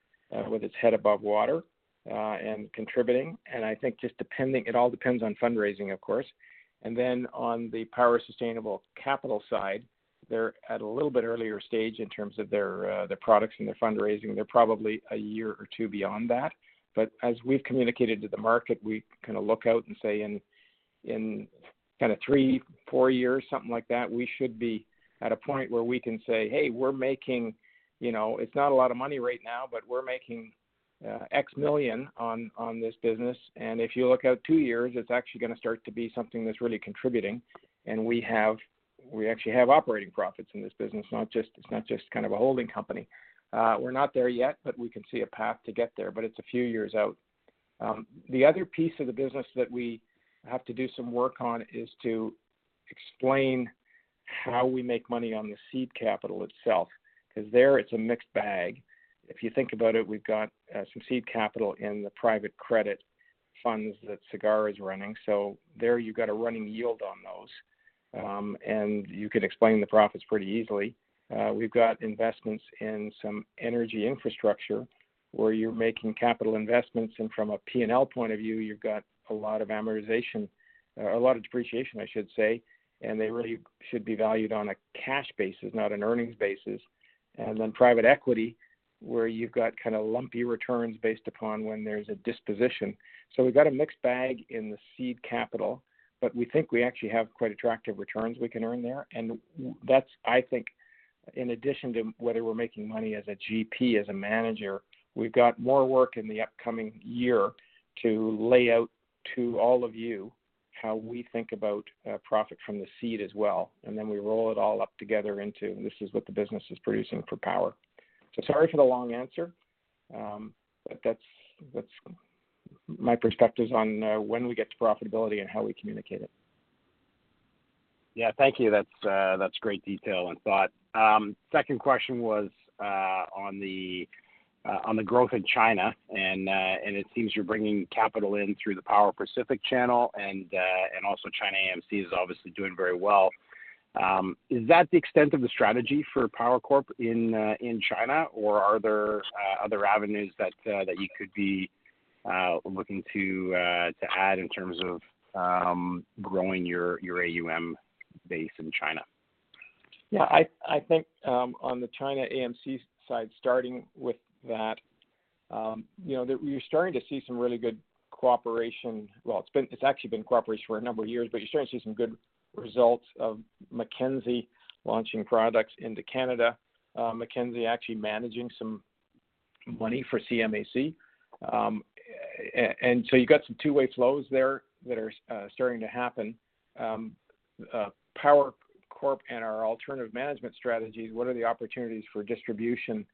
with its head above water, and contributing. I think it all depends on fundraising, of course. Then on the Power Sustainable Capital side, they're at a little bit earlier stage in terms of their products and their fundraising. They're probably one or two years beyond that. As we've communicated to the market, we kind of look out and say in three, four years, something like that, we should be at a point where we can say, "Hey, we're making, it's not a lot of money right now, but we're making X million on this business. If you look out two years, it's actually going to start to be something that's really contributing. We actually have operating profits in this business. It's not just kind of a holding company." We're not there yet, but we can see a path to get there, but it's a few years out. The other piece of the business that we have to do some work on is to explain how we make money on the seed capital itself, because there it's a mixed bag. If you think about it, we've got some seed capital in the private credit funds that Sagard is running. There you've got a running yield on those. You could explain the profits pretty easily. We've got investments in some energy infrastructure where you're making capital investments, from a P&L point of view, you've got a lot of amortization, a lot of depreciation, I should say, they really should be valued on a cash basis, not an earnings basis. Private equity, where you've got kind of lumpy returns based upon when there's a disposition. We've got a mixed bag in the seed capital, but we think we actually have quite attractive returns we can earn there. That's, I think, in addition to whether we're making money as a GP, as a manager, we've got more work in the upcoming year to lay out to all of you how we think about profit from the seed as well. Then we roll it all up together into, this is what the business is producing for Power. Sorry for the long answer. That's my perspectives on when we get to profitability and how we communicate it. Yeah. Thank you. That's great detail and thought. Second question was on the growth in China, and it seems you're bringing capital in through the Power Pacific channel and also ChinaAMC is obviously doing very well. Is that the extent of the strategy for Power Corp in China, or are there other avenues that you could be looking to add in terms of growing your AUM base in China? Yeah, I think on the ChinaAMC side, starting with that, you're starting to see some really good cooperation. Well, it's actually been cooperation for a number of years, but you're starting to see some good results of Mackenzie launching products into Canada, Mackenzie actually managing some money for ChinaAMC. You've got some two-way flows there that are starting to happen. Power Corp and our alternative management strategies, what are the opportunities for distribution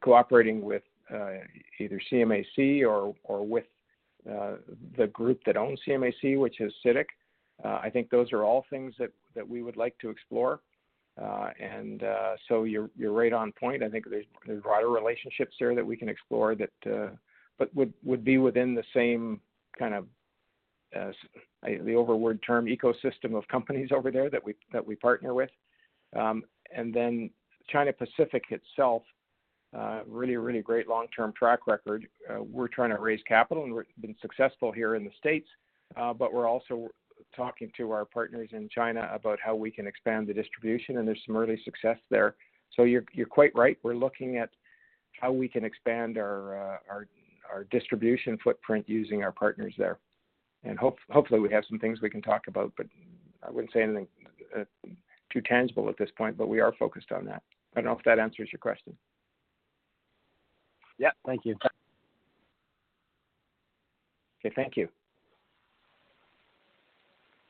cooperating with either ChinaAMC or with the group that owns ChinaAMC, which is CITIC? I think those are all things that we would like to explore. You're right on point. I think there's broader relationships there that we can explore that would be within the same kind of, the over word term, ecosystem of companies over there that we partner with. China Pacific itself, really great long-term track record. We're trying to raise capital. We've been successful here in the U.S. We're also talking to our partners in China about how we can expand the distribution. There's some early success there. You're quite right. We're looking at how we can expand our distribution footprint using our partners there. Hopefully we have some things we can talk about, but I wouldn't say anything too tangible at this point, but we are focused on that. I don't know if that answers your question. Yeah. Thank you. Okay. Thank you.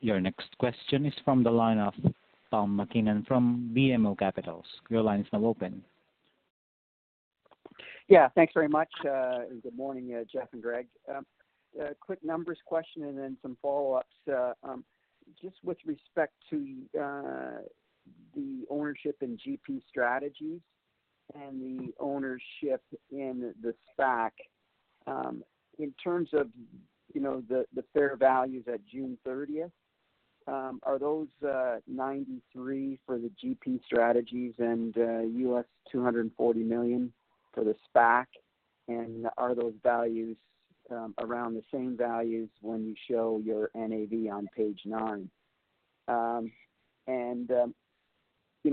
Your next question is from the line of Tom MacKinnon from BMO Capital. Yeah. Thanks very much. Good morning, Jeff and Greg. A quick numbers question and then some follow-ups. Just with respect to the ownership in GP Strategies and the ownership in the SPAC. In terms of the fair values at June 30th, are those 93 for the GP Strategies and $240 million for the SPAC? Are those values around the same values when you show your NAV on page nine?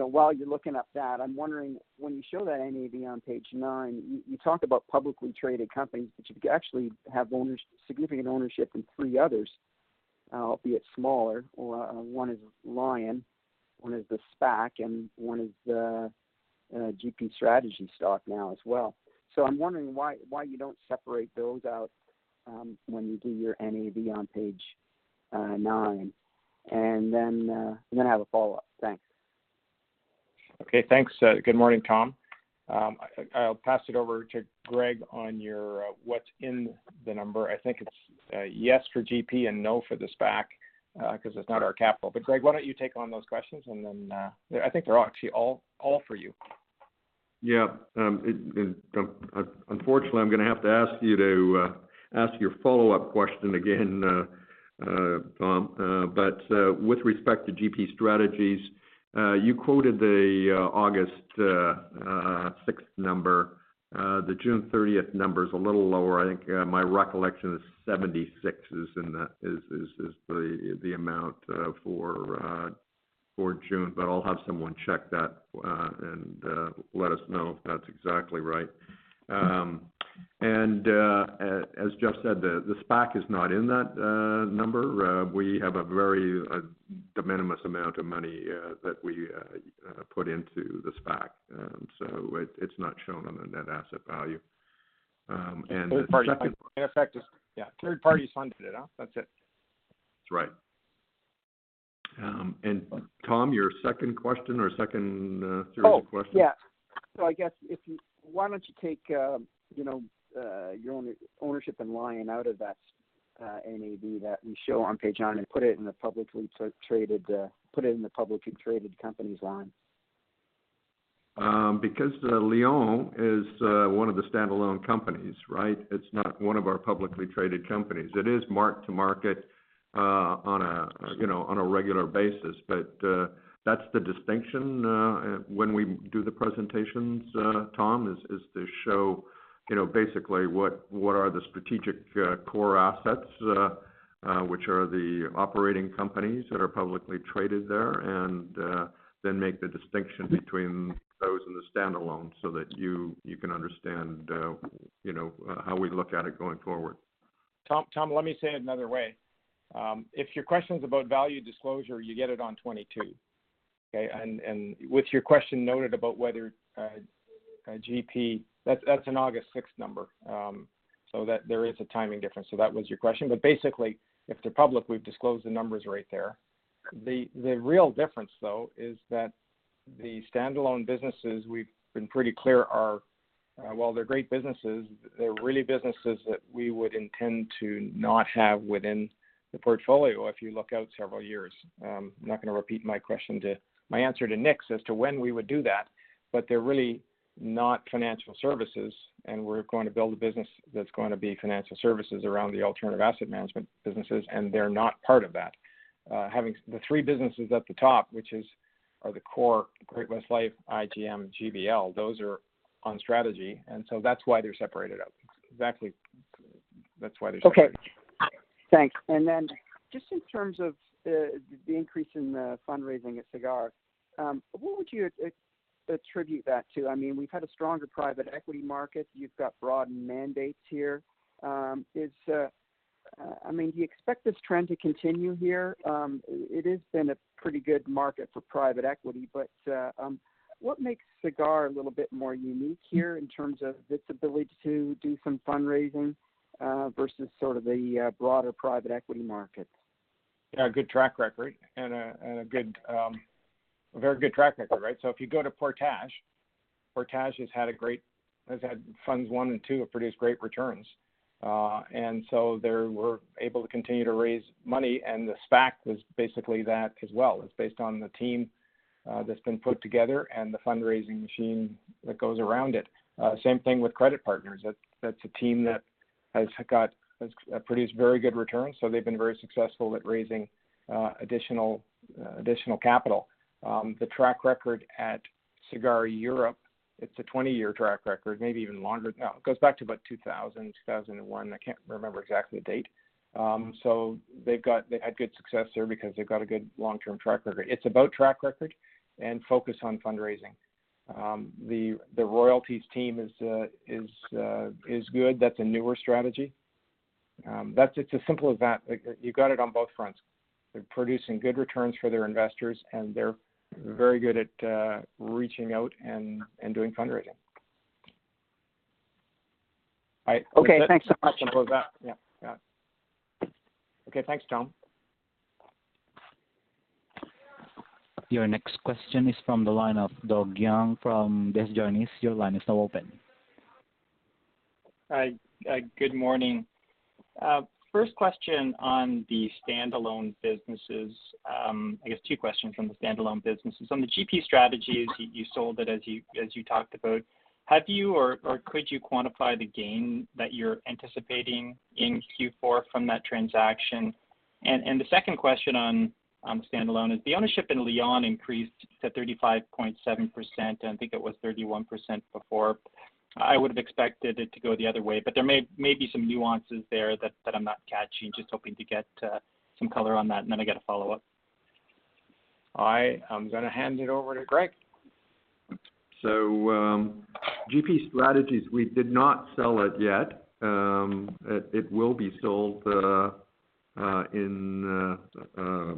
While you're looking up that, I'm wondering, when you show that NAV on page nine, you talk about publicly traded companies, but you actually have significant ownership in three others, albeit smaller. One is Lion, one is the SPAC, and one is the GP Strategies stock now as well. I'm wondering why you don't separate those out when you do your NAV on page nine. I'm going to have a follow-up. Thanks. Okay. Thanks. Good morning, Tom. I'll pass it over to Greg on what's in the number. I think it's yes for GP and no for the SPAC because it's not our capital. Greg, why don't you take on those questions and then I think they're actually all for you. Yeah. Unfortunately, I am going to have to ask you to ask your follow-up question again, Tom. With respect to GP Strategies, you quoted the August 6th number. The June 30th number's a little lower. I think my recollection is 76 is the amount for June. I will have someone check that and let us know if that's exactly right. As Jeff said, the SPAC is not in that number. We have a very de minimis amount of money that we put into the SPAC. It's not shown on the net asset value. Third party, in effect. Yeah. Third party funded it. That's it. That's right. Tom, your second question or second series of questions? Oh, yeah. I guess why don't you take your ownership in Lion out of that NAV that you show on page nine and put it in the publicly traded companies line? Lion is one of the standalone companies. It's not one of our publicly traded companies. It is marked to market on a regular basis. That's the distinction when we do the presentations, Tom, is to show basically what are the strategic core assets which are the operating companies that are publicly traded there, and then make the distinction between those and the standalone so that you can understand how we look at it going forward. Tom, let me say it another way. If your question's about value disclosure, you get it on 22. Okay? With your question noted about whether GP Strategies, that's an August 6th number. There is a timing difference. That was your question. Basically, if they're public, we've disclosed the numbers right there. The real difference, though, is that the standalone businesses we've been pretty clear are while they're great businesses, they're really businesses that we would intend to not have within the portfolio if you look out several years. I'm not going to repeat my answer to Nik as to when we would do that. They're really not financial services, and we're going to build a business that's going to be financial services around the alternative asset management businesses, and they're not part of that. The three businesses at the top, which are the core, Great-West Lifeco, IGM, and GBL, those are on strategy. That's why they're separated out. Exactly. That's why they're separated. Okay. Thanks. Just in terms of the increase in the fundraising at Sagard, what would you attribute that to? We've had a stronger private equity market. You've got broadened mandates here. Do you expect this trend to continue here? It has been a pretty good market for private equity, but what makes Sagard a little bit more unique here in terms of its ability to do some fundraising versus sort of the broader private equity market? Yeah. A good track record and a very good track record. If you go to Portage has had funds one and two have produced great returns. They were able to continue to raise money, and the SPAC was basically that as well. It's based on the team that's been put together and the fundraising machine that goes around it. Same thing with Credit Partners. That's a team that has produced very good returns, so they've been very successful at raising additional capital. The track record at Sagard Europe, it's a 20-year track record, maybe even longer. No, it goes back to about 2000, 2001. I can't remember exactly the date. They had good success there because they've got a good long-term track record. It's about track record and focus on fundraising. The royalties team is good. That's a newer strategy. It's as simple as that. You've got it on both fronts. They're producing good returns for their investors, and they're very good at reaching out and doing fundraising. All right. Okay. Thanks so much. Simple as that. Yeah. Okay. Thanks, Tom. Your next question is from the line of Doug Young from Desjardins. Your line is now open. Hi. Good morning. First question on the standalone businesses. I guess two questions from the standalone businesses. On the GP Strategies, you sold it as you talked about. Have you or could you quantify the gain that you're anticipating in Q4 from that transaction? The second question on the standalone is the ownership in Lion increased to 35.7%, and I think it was 31% before. I would have expected it to go the other way, but there may be some nuances there that I'm not catching. Just hoping to get some color on that, and then I got a follow-up. All right. I'm going to hand it over to Greg. GP Strategies, we did not sell it yet. It will be sold.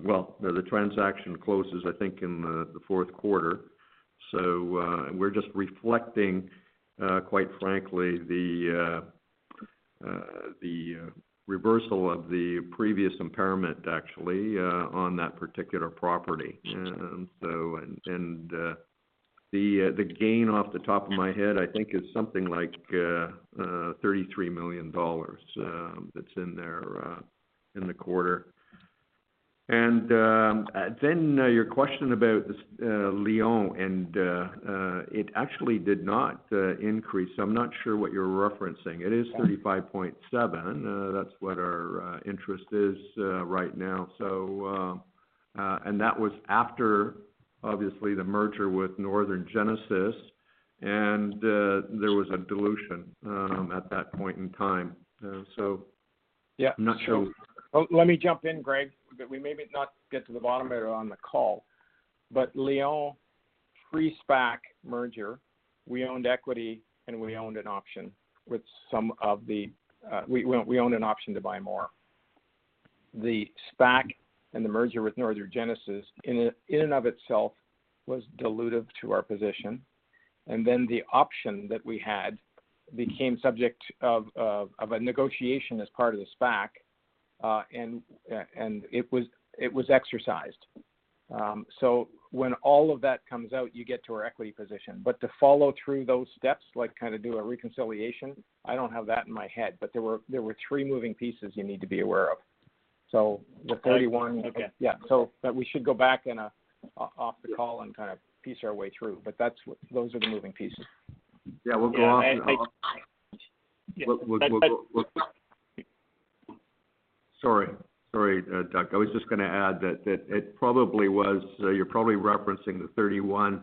Well, the transaction closes, I think, in the fourth quarter. We're just reflecting, quite frankly, the reversal of the previous impairment, actually, on that particular property. The gain, off the top of my head, I think is something like 33 million dollars that's in there in the quarter. Your question about Lion, and it actually did not increase. I'm not sure what you're referencing. It is 35.7. That's what our interest is right now. That was after, obviously, the merger with Northern Genesis, and there was a dilution at that point in time. I'm not sure. Let me jump in, Greg. We may not get to the bottom of it on the call, Lion, pre-SPAC merger, we owned equity, and we owned an option to buy more. The SPAC and the merger with Northern Genesis in and of itself was dilutive to our position. Then the option that we had became subject of a negotiation as part of the SPAC. It was exercised. When all of that comes out, you get to our equity position. To follow through those steps, like kind of do a reconciliation, I don't have that in my head. There were three moving pieces you need to be aware of. The 31- Okay. Yeah. That we should go back off the call and kind of piece our way through. Those are the moving pieces. Yeah. We'll go off the call. Yeah. I. Sorry, Doug. I was just going to add that you're probably referencing the 31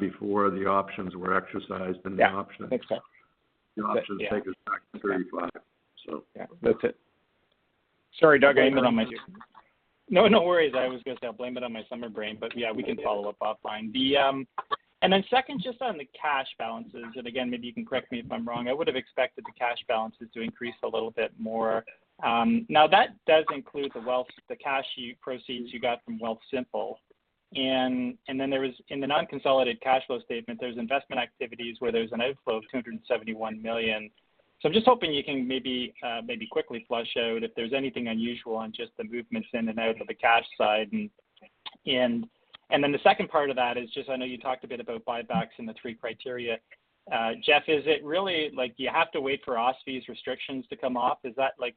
before the options were exercised- Yeah. Thanks, Greg The options take us back to 35. Yeah. That's it. Sorry, Doug, I aimed it on. No worries. I was going to say I blame it on my summer brain. Yeah, we can follow up offline. Second, just on the cash balances, and again, maybe you can correct me if I'm wrong, I would have expected the cash balances to increase a little bit more. That does include the cash proceeds you got from Wealthsimple. There was, in the non-consolidated cash flow statement, there's investment activities where there's an outflow of 271 million. I'm just hoping you can maybe quickly flush out if there's anything unusual on just the movements in and out of the cash side. The second part of that is just I know you talked a bit about buybacks and the three criteria. Jeff, is it really like you have to wait for OSFI's restrictions to come off, is that like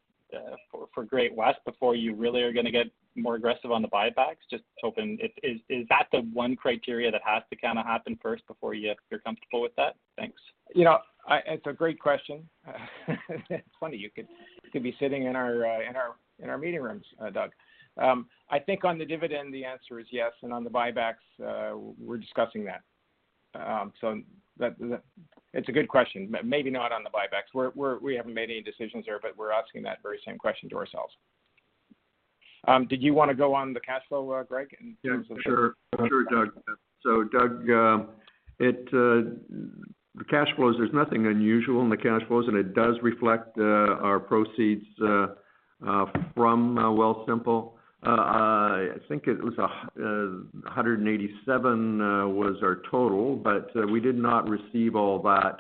for Great-West, before you really are going to get more aggressive on the buybacks? Just hoping, is that the one criteria that has to kind of happen first before you're comfortable with that? Thanks. It's a great question. It's funny, you could be sitting in our meeting rooms, Doug. I think on the dividend, the answer is yes. On the buybacks, we're discussing that. It's a good question. Maybe not on the buybacks. We haven't made any decisions there, but we're asking that very same question to ourselves. Did you want to go on the cash flow, Greg, in terms of- Yeah, sure, Doug. Doug, the cash flows, there is nothing unusual in the cash flows, and it does reflect our proceeds from Wealthsimple. I think it was 187 was our total, but we did not receive all that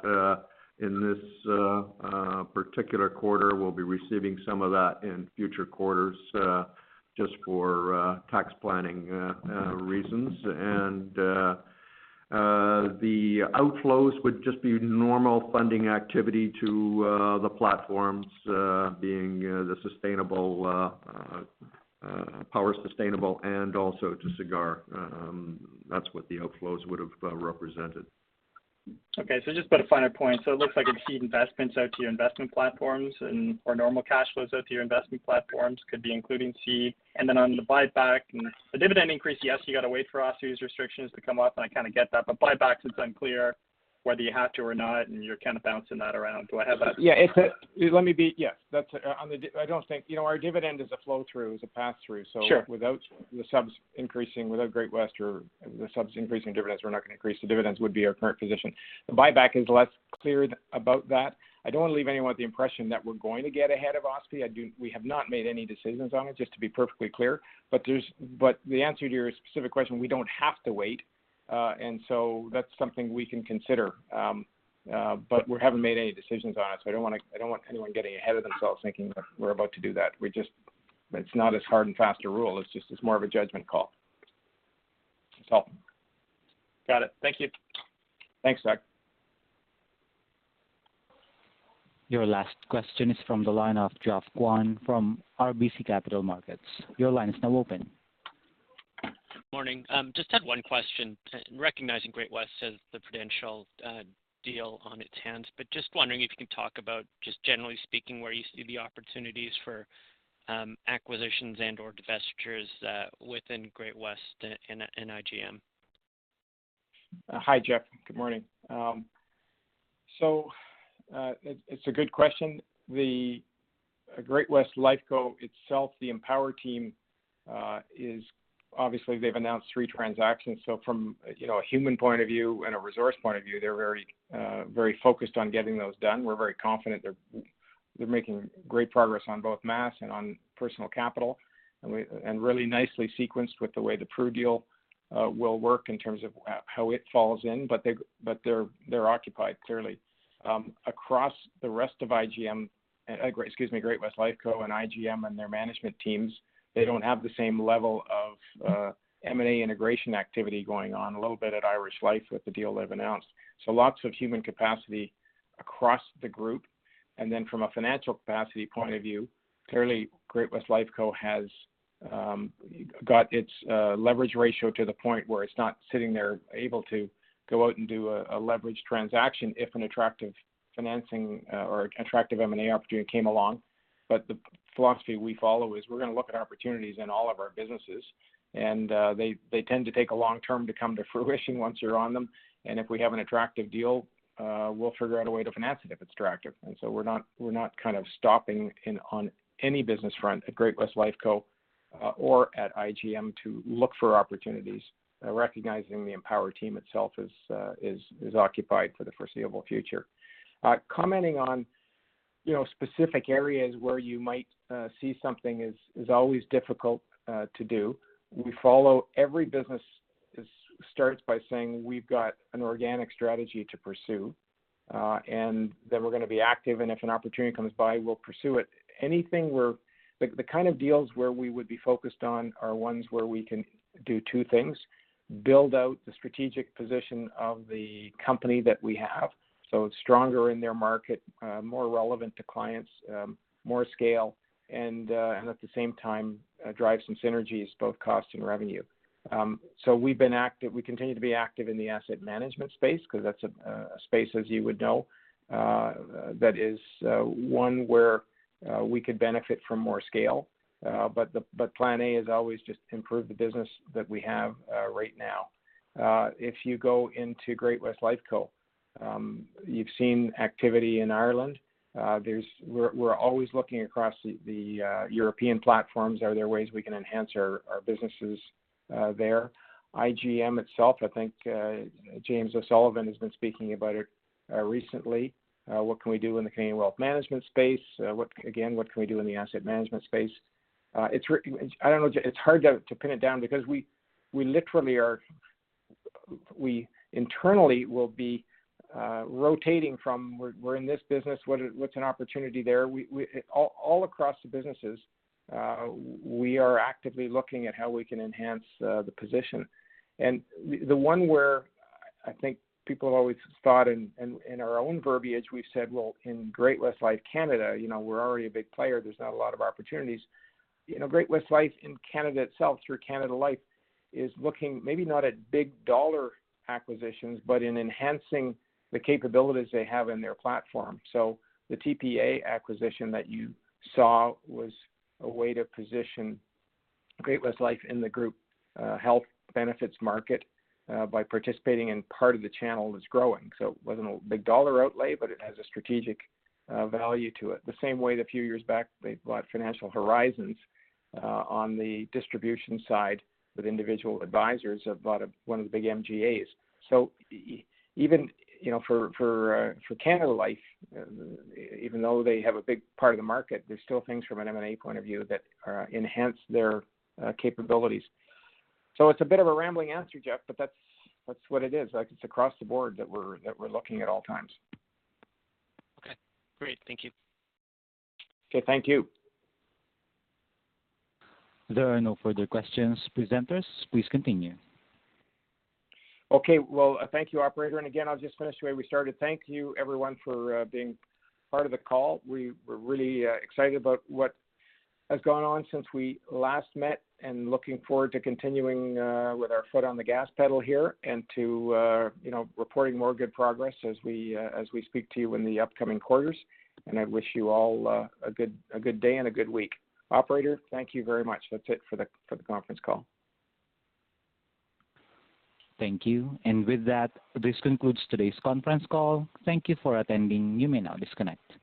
in this particular quarter. We will be receiving some of that in future quarters, just for tax planning reasons. The outflows would just be normal funding activity to the platforms, being the Power Sustainable and also to Sagard. That is what the outflows would have represented. Just to find a point. It looks like a seed investments out to your investment platforms and/or normal cash flows out to your investment platforms could be including seed. On the buyback and the dividend increase, yes, you got to wait for OSFI's restrictions to come off, and I kind of get that. Buybacks, it's unclear whether you have to or not, and you're kind of bouncing that around. Yeah. Our dividend is a flow-through, is a pass-through. Sure. Without the subs increasing, without Great-West or the subs increasing dividends, we're not going to increase the dividends, would be our current position. The buyback is less clear about that. I don't want to leave anyone with the impression that we're going to get ahead of OSFI. We have not made any decisions on it, just to be perfectly clear. The answer to your specific question, we don't have to wait. That's something we can consider. We haven't made any decisions on it, so I don't want anyone getting ahead of themselves thinking that we're about to do that. It's not as hard and fast a rule. It's more of a judgment call. That's all. Got it. Thank you. Thanks, Doug. Your last question is from the line of Geoffrey Kwan from RBC Capital Markets. Your line is now open. Morning. Just had one question. Recognizing Great-West has the Prudential deal on its hands, but just wondering if you can talk about, just generally speaking, where you see the opportunities for acquisitions and/or divestitures within Great-West and IGM. Hi, Geoff. Good morning. It's a good question. The Great-West Lifeco itself, the Empower team, obviously they've announced three transactions. From a human point of view and a resource point of view, they're very focused on getting those done. We're very confident they're making great progress on both Mass and on Personal Capital, and really nicely sequenced with the way the Pru deal will work in terms of how it falls in, but they're occupied, clearly. Across the rest of Great-West Lifeco and IGM and their management teams, they don't have the same level of M&A integration activity going on. A little bit at Irish Life with the deal they've announced. Lots of human capacity across the group. From a financial capacity point of view, clearly Great-West Lifeco has got its leverage ratio to the point where it's not sitting there able to go out and do a leverage transaction if an attractive financing or attractive M&A opportunity came along. The philosophy we follow is we're going to look at opportunities in all of our businesses, and they tend to take a long term to come to fruition once you're on them. If we have an attractive deal, we'll figure out a way to finance it if it's attractive. We're not stopping on any business front at Great-West Lifeco or at IGM to look for opportunities. Recognizing the Empower team itself is occupied for the foreseeable future. Commenting on specific areas where you might see something is always difficult to do. Every business starts by saying we've got an organic strategy to pursue, that we're going to be active, if an opportunity comes by, we'll pursue it. The kind of deals where we would be focused on are ones where we can do two things, build out the strategic position of the company that we have so it's stronger in their market, more relevant to clients, more scale, and at the same time, drive some synergies, both cost and revenue. We continue to be active in the asset management space because that's a space, as you would know, that is one where we could benefit from more scale. Plan A is always just improve the business that we have right now. If you go into Great-West Lifeco, you've seen activity in Ireland. We're always looking across the European platforms. Are there ways we can enhance our businesses there? IGM itself, I think James O'Sullivan has been speaking about it recently. What can we do in the Canadian wealth management space? Again, what can we do in the asset management space? It's hard to pin it down because we internally will be rotating from we're in this business, what's an opportunity there? All across the businesses, we are actively looking at how we can enhance the position. The one where I think people have always thought, in our own verbiage, we've said, well, in Great-West Lifeco Canada, we're already a big player. There's not a lot of opportunities. Great-West Lifeco in Canada itself, through Canada Life, is looking maybe not at big dollar acquisitions, but in enhancing the capabilities they have in their platform. The TPA acquisition that you saw was a way to position Canada Life in the group health benefits market by participating in part of the channel that's growing. It wasn't a big dollar outlay, but it has a strategic value to it. The same way that a few years back, they bought Financial Horizons on the distribution side with individual advisors, have bought up one of the big MGAs. Even for Canada Life, even though they have a big part of the market, there's still things from an M&A point of view that enhance their capabilities. It's a bit of a rambling answer, Jeff, but that's what it is. It's across the board that we're looking at all times. Okay, great. Thank you. Okay, thank you. There are no further questions, presenters. Please continue. Okay. Well, thank you, operator. Again, I'll just finish the way we started. Thank you everyone for being part of the call. We're really excited about what has gone on since we last met and looking forward to continuing with our foot on the gas pedal here and to reporting more good progress as we speak to you in the upcoming quarters. I wish you all a good day and a good week. Operator, thank you very much. That's it for the conference call. Thank you. With that, this concludes today's conference call. Thank you for attending. You may now disconnect.